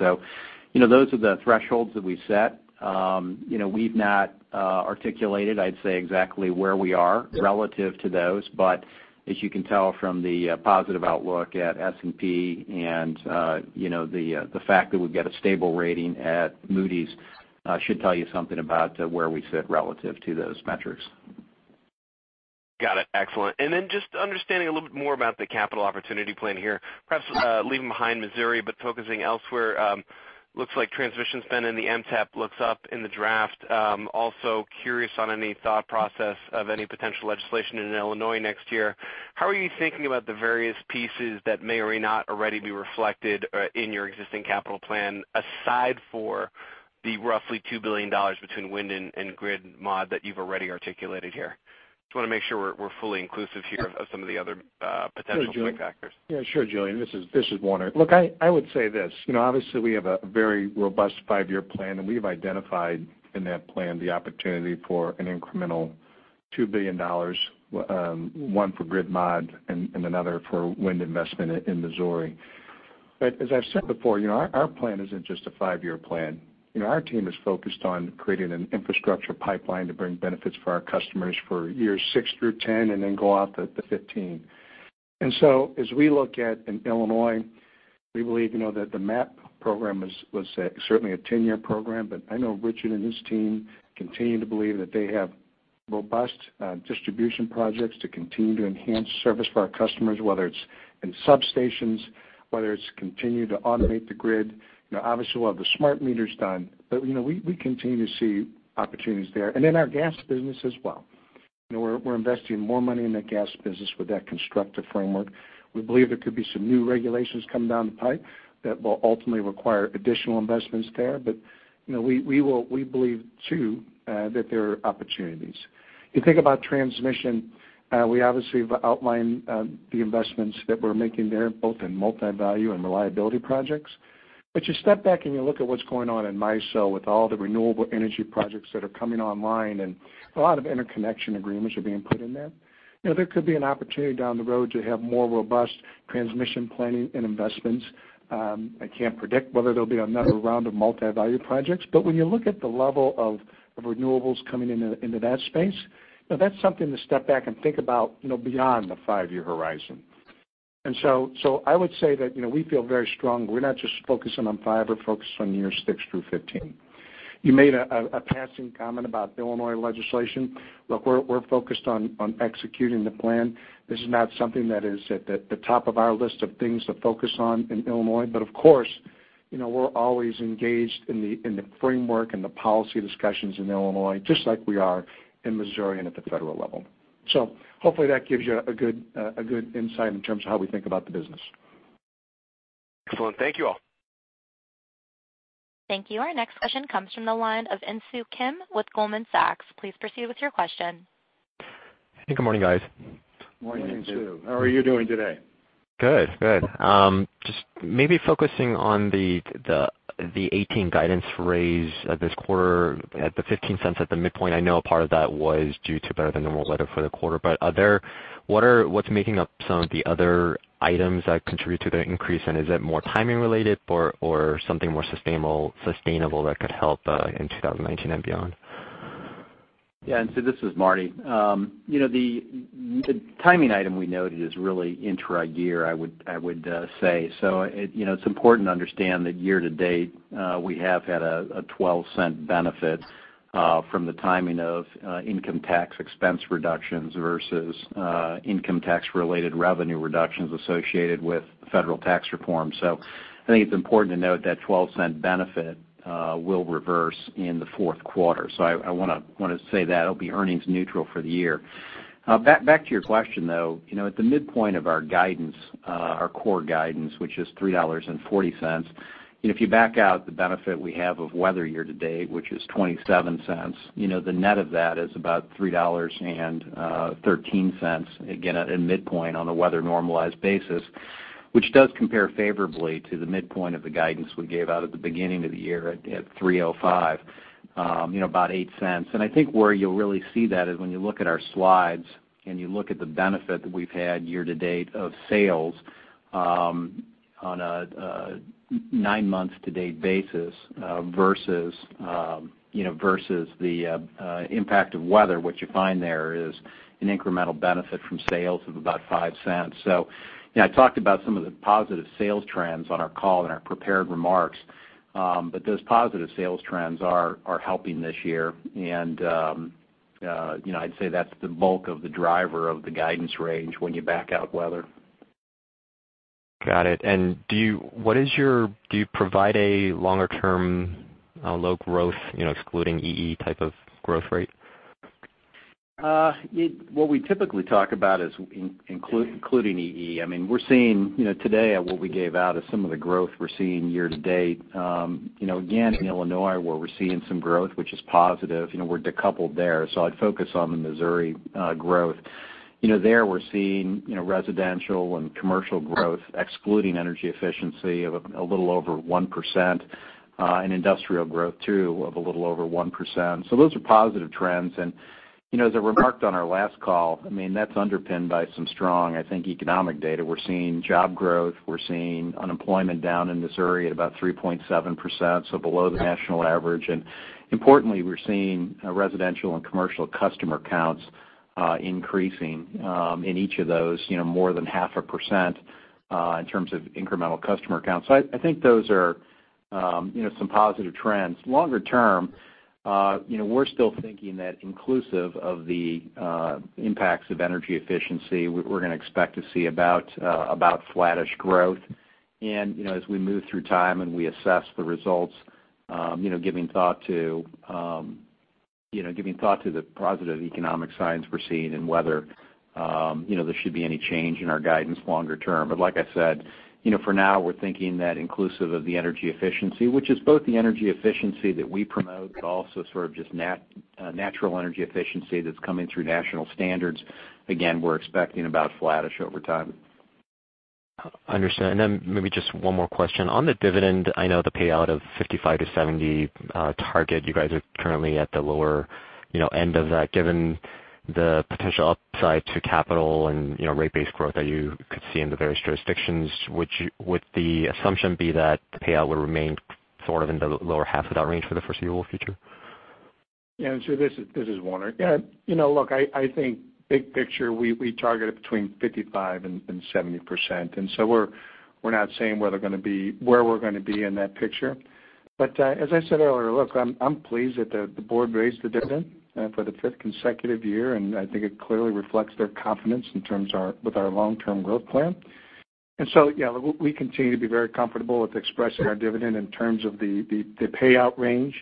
Those are the thresholds that we've set. We've not articulated, I'd say exactly where we are relative to those. As you can tell from the positive outlook at S&P and the fact that we've got a stable rating at Moody's should tell you something about where we sit relative to those metrics. Got it. Excellent. Just understanding a little bit more about the capital opportunity plan here, perhaps leaving behind Missouri, but focusing elsewhere. Looks like transmission spend in the MTEP looks up in the draft. Also curious on any thought process of any potential legislation in Illinois next year. How are you thinking about the various pieces that may or may not already be reflected in your existing capital plan, aside for the roughly $2 billion between wind and grid mod that you've already articulated here? Just want to make sure we're fully inclusive here of some of the other potential moving factors. Yeah, sure, Julien. This is Warner. Look, I would say this. Obviously, we have a very robust five-year plan. We have identified in that plan the opportunity for an incremental $2 billion, one for grid mod and another for wind investment in Missouri. As I've said before, our plan isn't just a five-year plan. Our team is focused on creating an infrastructure pipeline to bring benefits for our customers for years 6 through 10, then go out to 15. As we look at in Illinois, we believe to know that the MAP program was certainly a 10-year program, I know Richard and his team continue to believe that they have robust distribution projects to continue to enhance service for our customers, whether it's in substations, whether it's continue to automate the grid. Obviously, we'll have the smart meters done. We continue to see opportunities there. In our gas business as well. We're investing more money in the gas business with that constructive framework. We believe there could be some new regulations coming down the pipe that will ultimately require additional investments there. We believe, too, that there are opportunities. You think about transmission, we obviously have outlined the investments that we're making there, both in multi-value and reliability projects. You step back and you look at what's going on in MISO with all the renewable energy projects that are coming online, a lot of interconnection agreements are being put in there. There could be an opportunity down the road to have more robust transmission planning and investments. I can't predict whether there'll be another round of multi-value projects. When you look at the level of renewables coming into that space, that's something to step back and think about beyond the 5-year horizon. I would say that we feel very strong. We're not just focusing on 5, we're focusing on years 6 through 15. You made a passing comment about Illinois legislation. Look, we're focused on executing the plan. This is not something that is at the top of our list of things to focus on in Illinois. Of course, we're always engaged in the framework and the policy discussions in Illinois, just like we are in Missouri and at the federal level. Hopefully that gives you a good insight in terms of how we think about the business. Excellent. Thank you all. Thank you. Our next question comes from the line of Insoo Kim with Goldman Sachs. Please proceed with your question. Hey, good morning, guys. Morning, Insoo. How are you doing today? Good. Just maybe focusing on the 2018 guidance raise this quarter at the $0.15 at the midpoint. I know a part of that was due to better than normal weather for the quarter, what's making up some of the other items that contribute to the increase? Is it more timing related or something more sustainable that could help in 2019 and beyond? Yeah. This is Marty. The timing item we noted is really intra-year, I would say. It's important to understand that year to date, we have had a $0.12 benefit from the timing of income tax expense reductions versus income tax-related revenue reductions associated with federal tax reform. I think it's important to note that $0.12 benefit will reverse in the fourth quarter. I want to say that it'll be earnings neutral for the year. Back to your question, though. At the midpoint of our core guidance, which is $3.40, if you back out the benefit we have of weather year to date, which is $0.27, the net of that is about $3.13, again, at midpoint on the weather normalized basis, which does compare favorably to the midpoint of the guidance we gave out at the beginning of the year at $3.05, about $0.08. I think where you'll really see that is when you look at our slides and you look at the benefit that we've had year to date of sales on a nine-month to date basis versus the impact of weather. What you find there is an incremental benefit from sales of about $0.05. I talked about some of the positive sales trends on our call in our prepared remarks. Those positive sales trends are helping this year. I'd say that's the bulk of the driver of the guidance range when you back out weather. Got it. Do you provide a longer-term low growth, excluding EE type of growth rate? What we typically talk about is including EE. We're seeing today at what we gave out is some of the growth we're seeing year-to-date. In Illinois, where we're seeing some growth, which is positive, we're decoupled there. I'd focus on the Missouri growth. There we're seeing residential and commercial growth excluding energy efficiency of a little over 1%, and industrial growth too of a little over 1%. Those are positive trends. As I remarked on our last call, that's underpinned by some strong, I think, economic data. We're seeing job growth. We're seeing unemployment down in Missouri at about 3.7%, so below the national average. Importantly, we're seeing residential and commercial customer counts increasing in each of those more than half a percent in terms of incremental customer counts. I think those are some positive trends. Longer term, we're still thinking that inclusive of the impacts of energy efficiency, we're going to expect to see about flattish growth. As we move through time and we assess the results, giving thought to the positive economic signs we're seeing and whether there should be any change in our guidance longer term. Like I said, for now we're thinking that inclusive of the energy efficiency, which is both the energy efficiency that we promote, but also sort of just natural energy efficiency that's coming through national standards, again, we're expecting about flattish over time. Understood. Maybe just one more question. On the dividend, I know the payout of 55%-70% target, you guys are currently at the lower end of that. Given the potential upside to capital and rate base growth that you could see in the various jurisdictions, would the assumption be that the payout will remain sort of in the lower half of that range for the foreseeable future? Yeah, this is Warner. Yeah. Look, I think big picture, we target between 55% and 70%. We're not saying where we're going to be in that picture. As I said earlier, look, I'm pleased that the board raised the dividend for the fifth consecutive year, and I think it clearly reflects their confidence in terms with our long-term growth plan. Yeah, we continue to be very comfortable with expressing our dividend in terms of the payout range.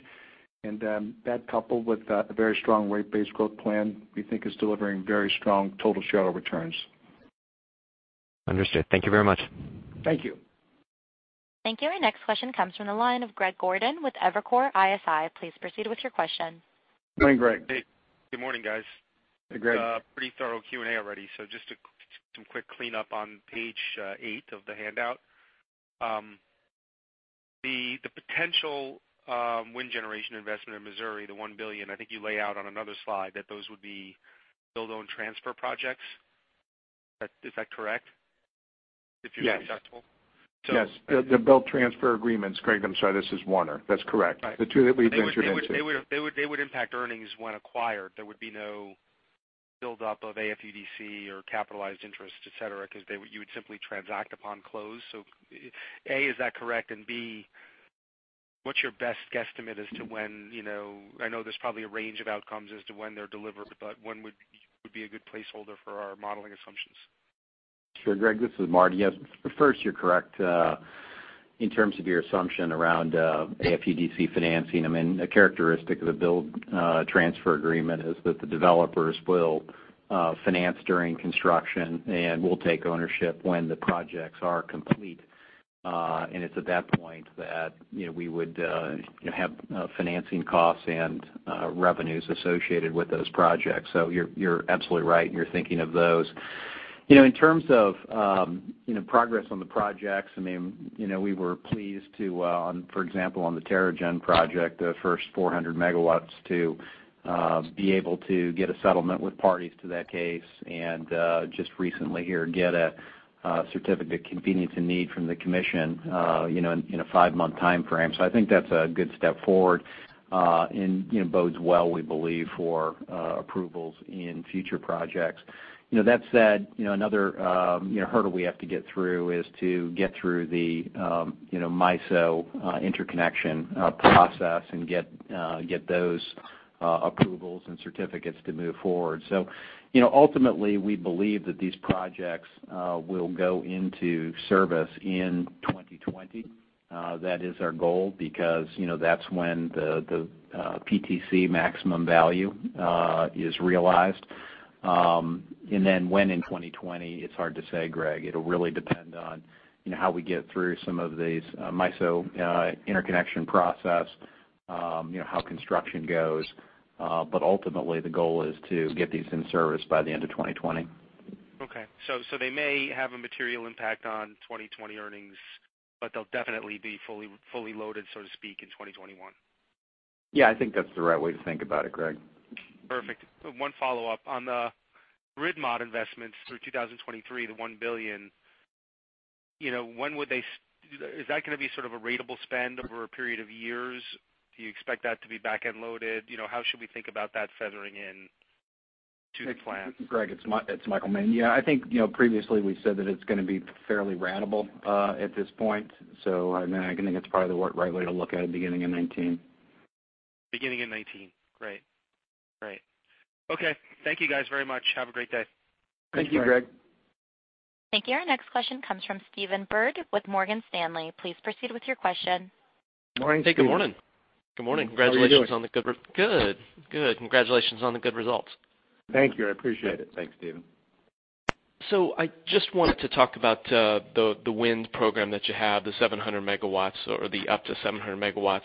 That coupled with a very strong rate base growth plan, we think is delivering very strong total shareholder returns. Understood. Thank you very much. Thank you. Thank you. Our next question comes from the line of Greg Gordon with Evercore ISI. Please proceed with your question. Morning, Greg. Hey. Good morning, guys. Hey, Greg. Pretty thorough Q&A already. Just some quick cleanup on page eight of the handout. The potential wind generation investment in Missouri, the $1 billion, I think you lay out on another slide that those would be build own transfer projects. Is that correct? If you're Yes successful? Yes. The build transfer agreements, Greg, I'm sorry, this is Warner. That's correct. Right. The two that we've entered into. They would impact earnings when acquired. There would be no buildup of AFUDC or capitalized interest, et cetera, because you would simply transact upon close. A, is that correct? B, what's your best guesstimate as to when, I know there's probably a range of outcomes as to when they're delivered, but when would be a good placeholder for our modeling assumptions? Sure. Greg, this is Marty. Yes. First, you're correct, in terms of your assumption around AFUDC financing. A characteristic of the build transfer agreement is that the developers will finance during construction and will take ownership when the projects are complete. It's at that point that we would have financing costs and revenues associated with those projects. You're absolutely right in your thinking of those. In terms of progress on the projects, we were pleased to, for example, on the Terra-Gen project, the first 400 MW to be able to get a settlement with parties to that case and, just recently here, get a Certificate of Convenience and Necessity from the commission in a 5-month timeframe. I think that's a good step forward and bodes well, we believe, for approvals in future projects. That said, another hurdle we have to get through is to get through the MISO interconnection process and get those approvals and certificates to move forward. Ultimately, we believe that these projects will go into service in 2020. That is our goal because that's when the PTC maximum value is realized. Then when in 2020, it's hard to say, Greg. It'll really depend on how we get through some of these MISO interconnection process, how construction goes. Ultimately, the goal is to get these in service by the end of 2020. Okay. They may have a material impact on 2020 earnings, but they'll definitely be fully loaded, so to speak, in 2021. Yeah, I think that's the right way to think about it, Greg. Perfect. One follow-up. On the grid mod investments through 2023, the $1 billion, is that going to be sort of a ratable spend over a period of years? Do you expect that to be backend loaded? How should we think about that feathering in to the plan? Greg, it's Michael Moehn. Yeah, I think previously we said that it's going to be fairly ratable at this point. I think that's probably the right way to look at it, beginning in 2019. Beginning in 2019. Great. Okay. Thank you guys very much. Have a great day. Thank you, Greg. Thank you. Our next question comes from Stephen Byrd with Morgan Stanley. Please proceed with your question. Morning, Stephen. Hey, good morning. Good morning. How are you doing? Good. Congratulations on the good results. Thank you. I appreciate it. Thanks, Stephen. I just wanted to talk about the wind program that you have, the 700 megawatts or the up to 700 megawatts.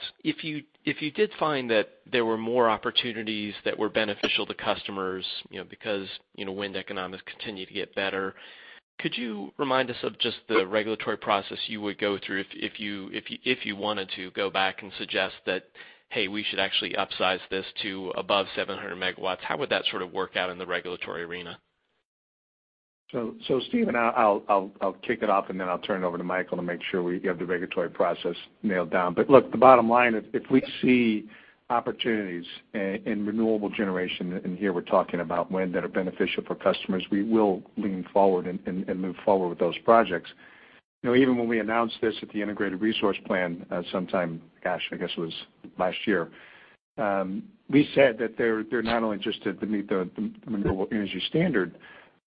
If you did find that there were more opportunities that were beneficial to customers because wind economics continue to get better, could you remind us of just the regulatory process you would go through if you wanted to go back and suggest that, hey, we should actually upsize this to above 700 megawatts? How would that sort of work out in the regulatory arena? Stephen, I'll kick it off, I'll turn it over to Michael to make sure we have the regulatory process nailed down. Look, the bottom line, if we see opportunities in renewable generation, and here we're talking about wind that are beneficial for customers, we will lean forward and move forward with those projects. Even when we announced this at the Integrated Resource Plan sometime, gosh, I guess it was last year, we said that they're not only just to meet the Renewable Energy Standard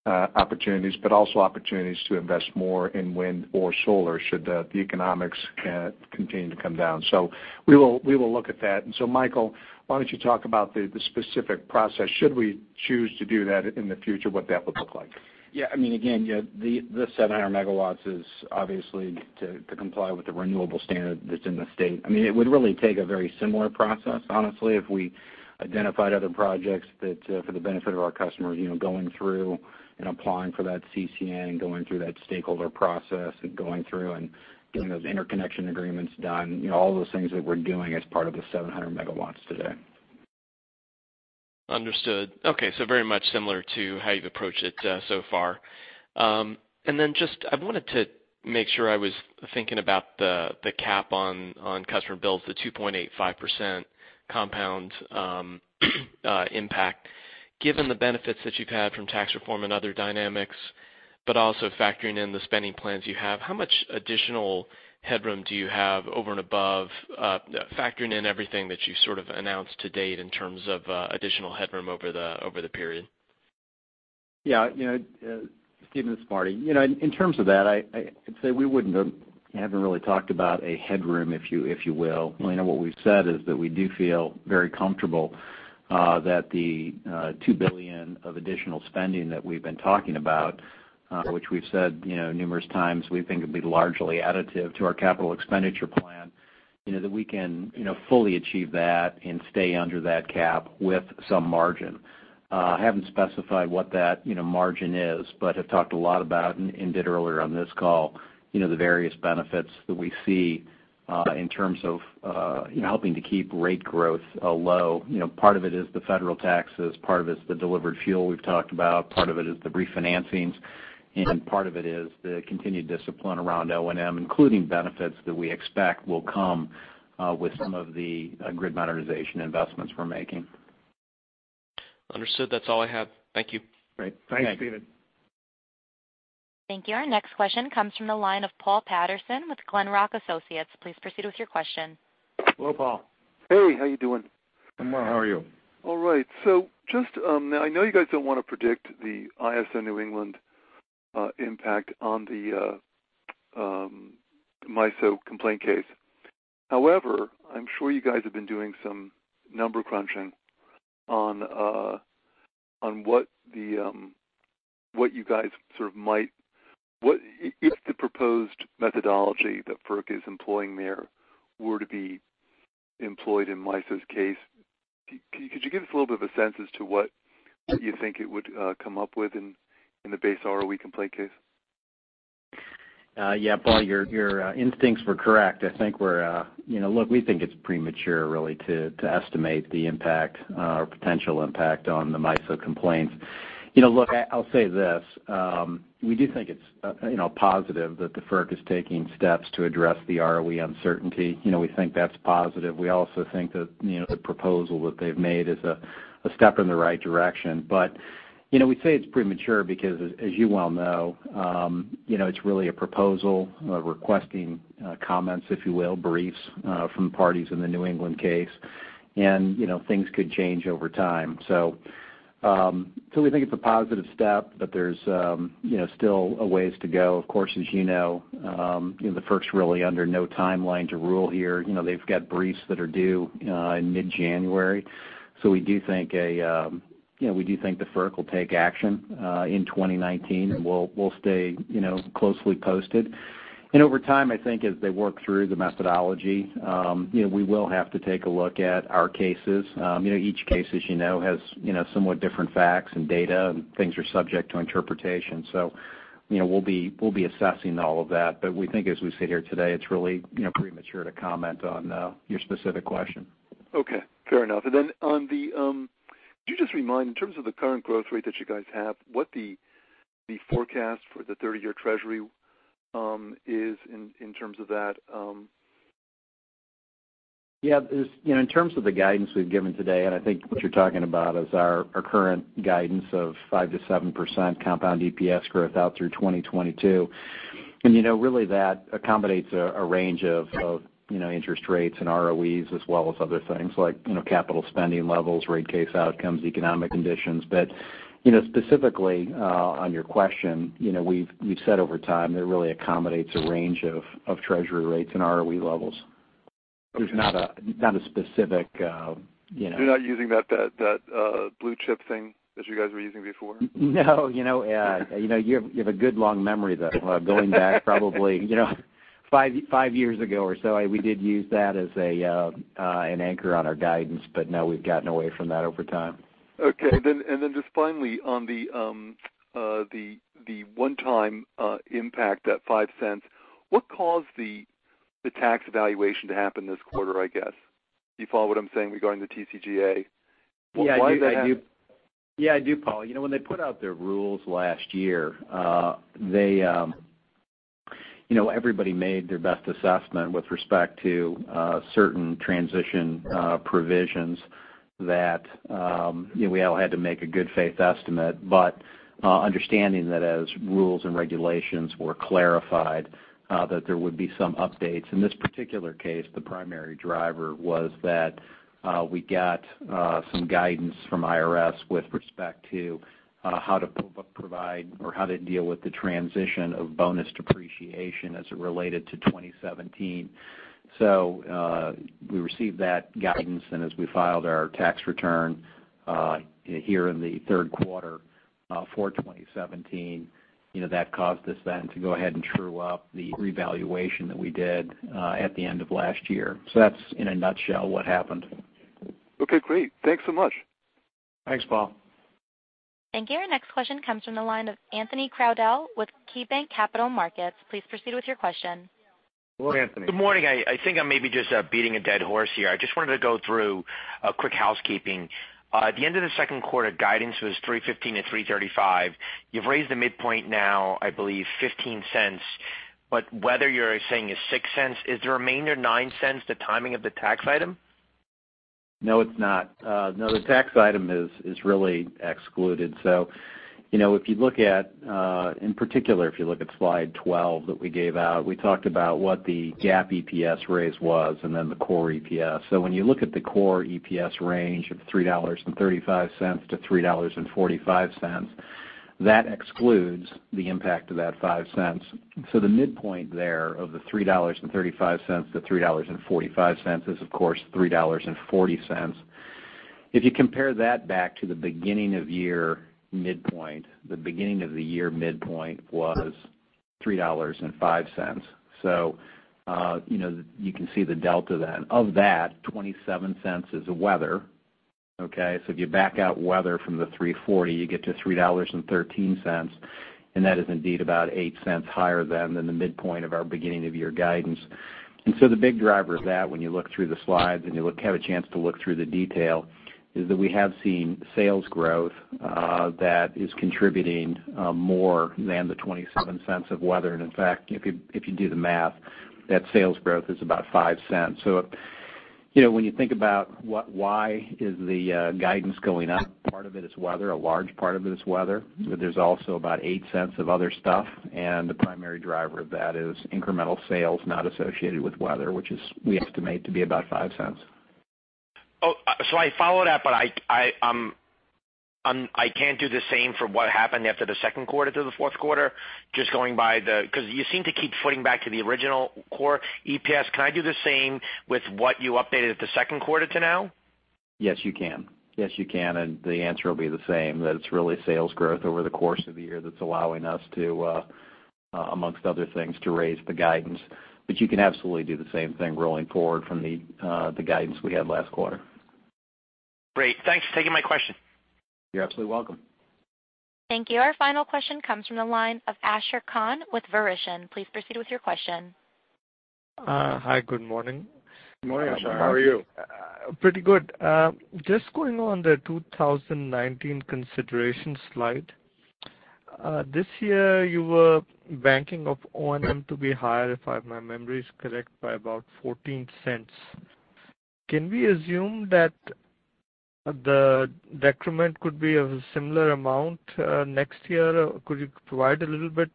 opportunities, but also opportunities to invest more in wind or solar should the economics continue to come down. We will look at that. Michael, why don't you talk about the specific process, should we choose to do that in the future, what that would look like? Again, the 700 MW is obviously to comply with the Renewable Standard that's in the state. It would really take a very similar process, honestly, if we identified other projects for the benefit of our customers, going through and applying for that CCN, going through that stakeholder process, and going through and getting those interconnection agreements done, all those things that we're doing as part of the 700 MW today. Understood. Very much similar to how you've approached it so far. Just, I wanted to make sure I was thinking about the cap on customer bills, the 2.85% compound impact. Given the benefits that you've had from Tax Reform and other dynamics, but also factoring in the spending plans you have, how much additional headroom do you have over and above, factoring in everything that you've sort of announced to date in terms of additional headroom over the period? Stephen, this is Marty. In terms of that, I'd say we haven't really talked about a headroom, if you will. What we've said is that we do feel very comfortable that the $2 billion of additional spending that we've been talking about, which we've said numerous times, we think will be largely additive to our capital expenditure plan, that we can fully achieve that and stay under that cap with some margin. I haven't specified what that margin is, but have talked a lot about, and did earlier on this call, the various benefits that we see in terms of helping to keep rate growth low. Part of it is the federal taxes, part of it's the delivered fuel we've talked about, part of it is the refinancings, part of it is the continued discipline around O&M, including benefits that we expect will come with some of the grid modernization investments we're making. Understood. That's all I have. Thank you. Great. Thanks, Stephen. Thank you. Our next question comes from the line of Paul Patterson with Glenrock Associates. Please proceed with your question. Hello, Paul. Hey, how you doing? I'm well. How are you? Now I know you guys don't want to predict the ISO New England impact on the MISO complaint case. However, I'm sure you guys have been doing some number crunching on if the proposed methodology that FERC is employing there were to be employed in MISO's case. Could you give us a little bit of a sense as to what you think it would come up with in the base ROE complaint case? Yeah, Paul, your instincts were correct. We think it's premature, really, to estimate the impact or potential impact on the MISO complaints. I'll say this. We do think it's positive that the FERC is taking steps to address the ROE uncertainty. We think that's positive. We also think that the proposal that they've made is a step in the right direction. We say it's premature because, as you well know, it's really a proposal, a requesting comments, if you will, briefs from parties in the New England case, and things could change over time. We think it's a positive step, there's still a ways to go. Of course, as you know, the FERC's really under no timeline to rule here. They've got briefs that are due in mid-January. We do think the FERC will take action in 2019. We'll stay closely posted. Over time, I think as they work through the methodology, we will have to take a look at our cases. Each case, as you know, has somewhat different facts and data, and things are subject to interpretation. We'll be assessing all of that. We think as we sit here today, it's really premature to comment on your specific question. Okay. Fair enough. Could you just remind, in terms of the current growth rate that you guys have, what the forecast for the 30-year treasury is in terms of that? Yeah. In terms of the guidance we've given today, I think what you're talking about is our current guidance of 5%-7% compound EPS growth out through 2022. Really, that accommodates a range of interest rates and ROEs, as well as other things like capital spending levels, rate case outcomes, economic conditions. Specifically on your question, we've said over time, it really accommodates a range of Treasury rates and ROE levels. Okay. There's not a specific. You're not using that blue chip thing that you guys were using before? No. You have a good long memory, though. Going back probably five years ago or so, we did use that as an anchor on our guidance, but now we've gotten away from that over time. Okay. Then just finally on the one-time impact, that $0.05, what caused the tax evaluation to happen this quarter, I guess? Do you follow what I'm saying regarding the TCJA? Why did that happen? Yeah, I do, Paul. When they put out their rules last year, everybody made their best assessment with respect to certain transition provisions that we all had to make a good faith estimate. Understanding that as rules and regulations were clarified, that there would be some updates. In this particular case, the primary driver was that we got some guidance from IRS with respect to how to provide or how to deal with the transition of bonus depreciation as it related to 2017. We received that guidance, and as we filed our tax return here in the third quarter for 2017, that caused us then to go ahead and true up the revaluation that we did at the end of last year. That's in a nutshell what happened. Okay, great. Thanks so much. Thanks, Paul. Thank you. Our next question comes from the line of Anthony Crowdell with KeyBanc Capital Markets. Please proceed with your question. Hello, Anthony. Good morning. I think I may be just beating a dead horse here. I just wanted to go through a quick housekeeping. At the end of the second quarter, guidance was $3.15 to $3.35. You've raised the midpoint now, I believe $0.15, but weather you're saying is $0.06. Is the remainder $0.09 the timing of the tax item? The tax item is really excluded. In particular, if you look at slide 12 that we gave out, we talked about what the GAAP EPS raise was, and then the core EPS. When you look at the core EPS range of $3.35 to $3.45, that excludes the impact of that $0.05. The midpoint there of the $3.35 to $3.45 is, of course, $3.40. If you compare that back to the beginning of year midpoint, the beginning of the year midpoint was $3.05. You can see the delta then. Of that, $0.27 is weather. Okay? If you back out weather from the $3.40, you get to $3.13, and that is indeed about $0.08 higher than the midpoint of our beginning of year guidance. The big driver of that, when you look through the slides and you have a chance to look through the detail, is that we have seen sales growth that is contributing more than the $0.27 of weather. In fact, if you do the math, that sales growth is about $0.05. When you think about why is the guidance going up, part of it is weather. A large part of it is weather. There's also about $0.08 of other stuff, and the primary driver of that is incremental sales not associated with weather, which we estimate to be about $0.05. I follow that, I can't do the same for what happened after the second quarter to the fourth quarter? Just going by the-- because you seem to keep footing back to the original core EPS. Can I do the same with what you updated at the second quarter to now? Yes, you can. Yes, you can, the answer will be the same, that it's really sales growth over the course of the year that's allowing us to, amongst other things, to raise the guidance. You can absolutely do the same thing rolling forward from the guidance we had last quarter. Great. Thanks for taking my question. You're absolutely welcome. Thank you. Our final question comes from the line of Ashar Khan with Verition. Please proceed with your question. Hi, good morning. Good morning, Ashar. How are you? Pretty good. Just going on the 2019 consideration slide. This year you were banking of O&M to be higher, if my memory is correct, by about $0.14. Can we assume that the decrement could be of a similar amount next year? Could you provide a little bit,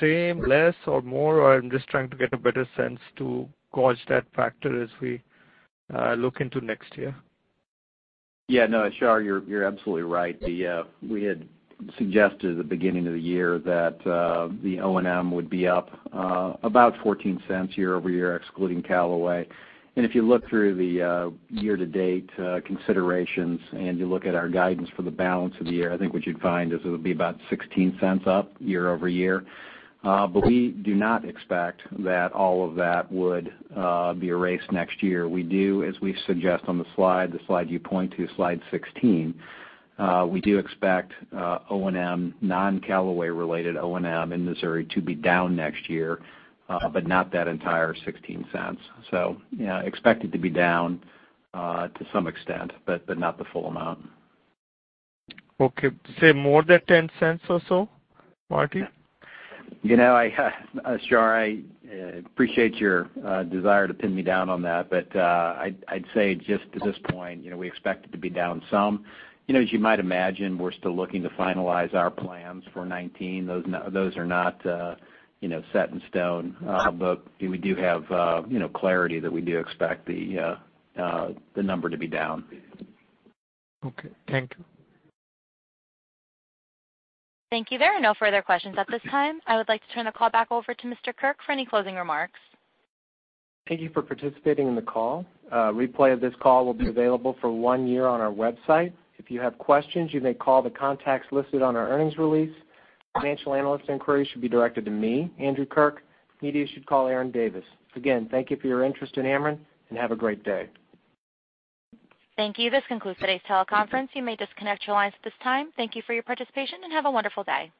same, less or more, or I'm just trying to get a better sense to gauge that factor as we look into next year. Ashar, you're absolutely right. We had suggested at the beginning of the year that the O&M would be up about $0.14 year-over-year, excluding Callaway. If you look through the year-to-date considerations, and you look at our guidance for the balance of the year, I think what you'd find is it'll be about $0.16 up year-over-year. We do not expect that all of that would be erased next year. We do, as we suggest on the slide, the slide you point to, slide 16, we do expect O&M, non-Callaway related O&M in Missouri to be down next year, but not that entire $0.16. Expect it to be down to some extent, but not the full amount. Okay. Say more than $0.10 or so, Marty? Ashar, I appreciate your desire to pin me down on that, but I'd say just to this point, we expect it to be down some. As you might imagine, we're still looking to finalize our plans for 2019. Those are not set in stone. We do have clarity that we do expect the number to be down. Okay. Thank you. Thank you. There are no further questions at this time. I would like to turn the call back over to Mr. Kirk for any closing remarks. Thank you for participating in the call. A replay of this call will be available for one year on our website. If you have questions, you may call the contacts listed on our earnings release. Financial analyst inquiries should be directed to me, Andrew Kirk. Media should call Aaron Davis. Again, thank you for your interest in Ameren, and have a great day. Thank you. This concludes today's teleconference. You may disconnect your lines at this time. Thank you for your participation, and have a wonderful day.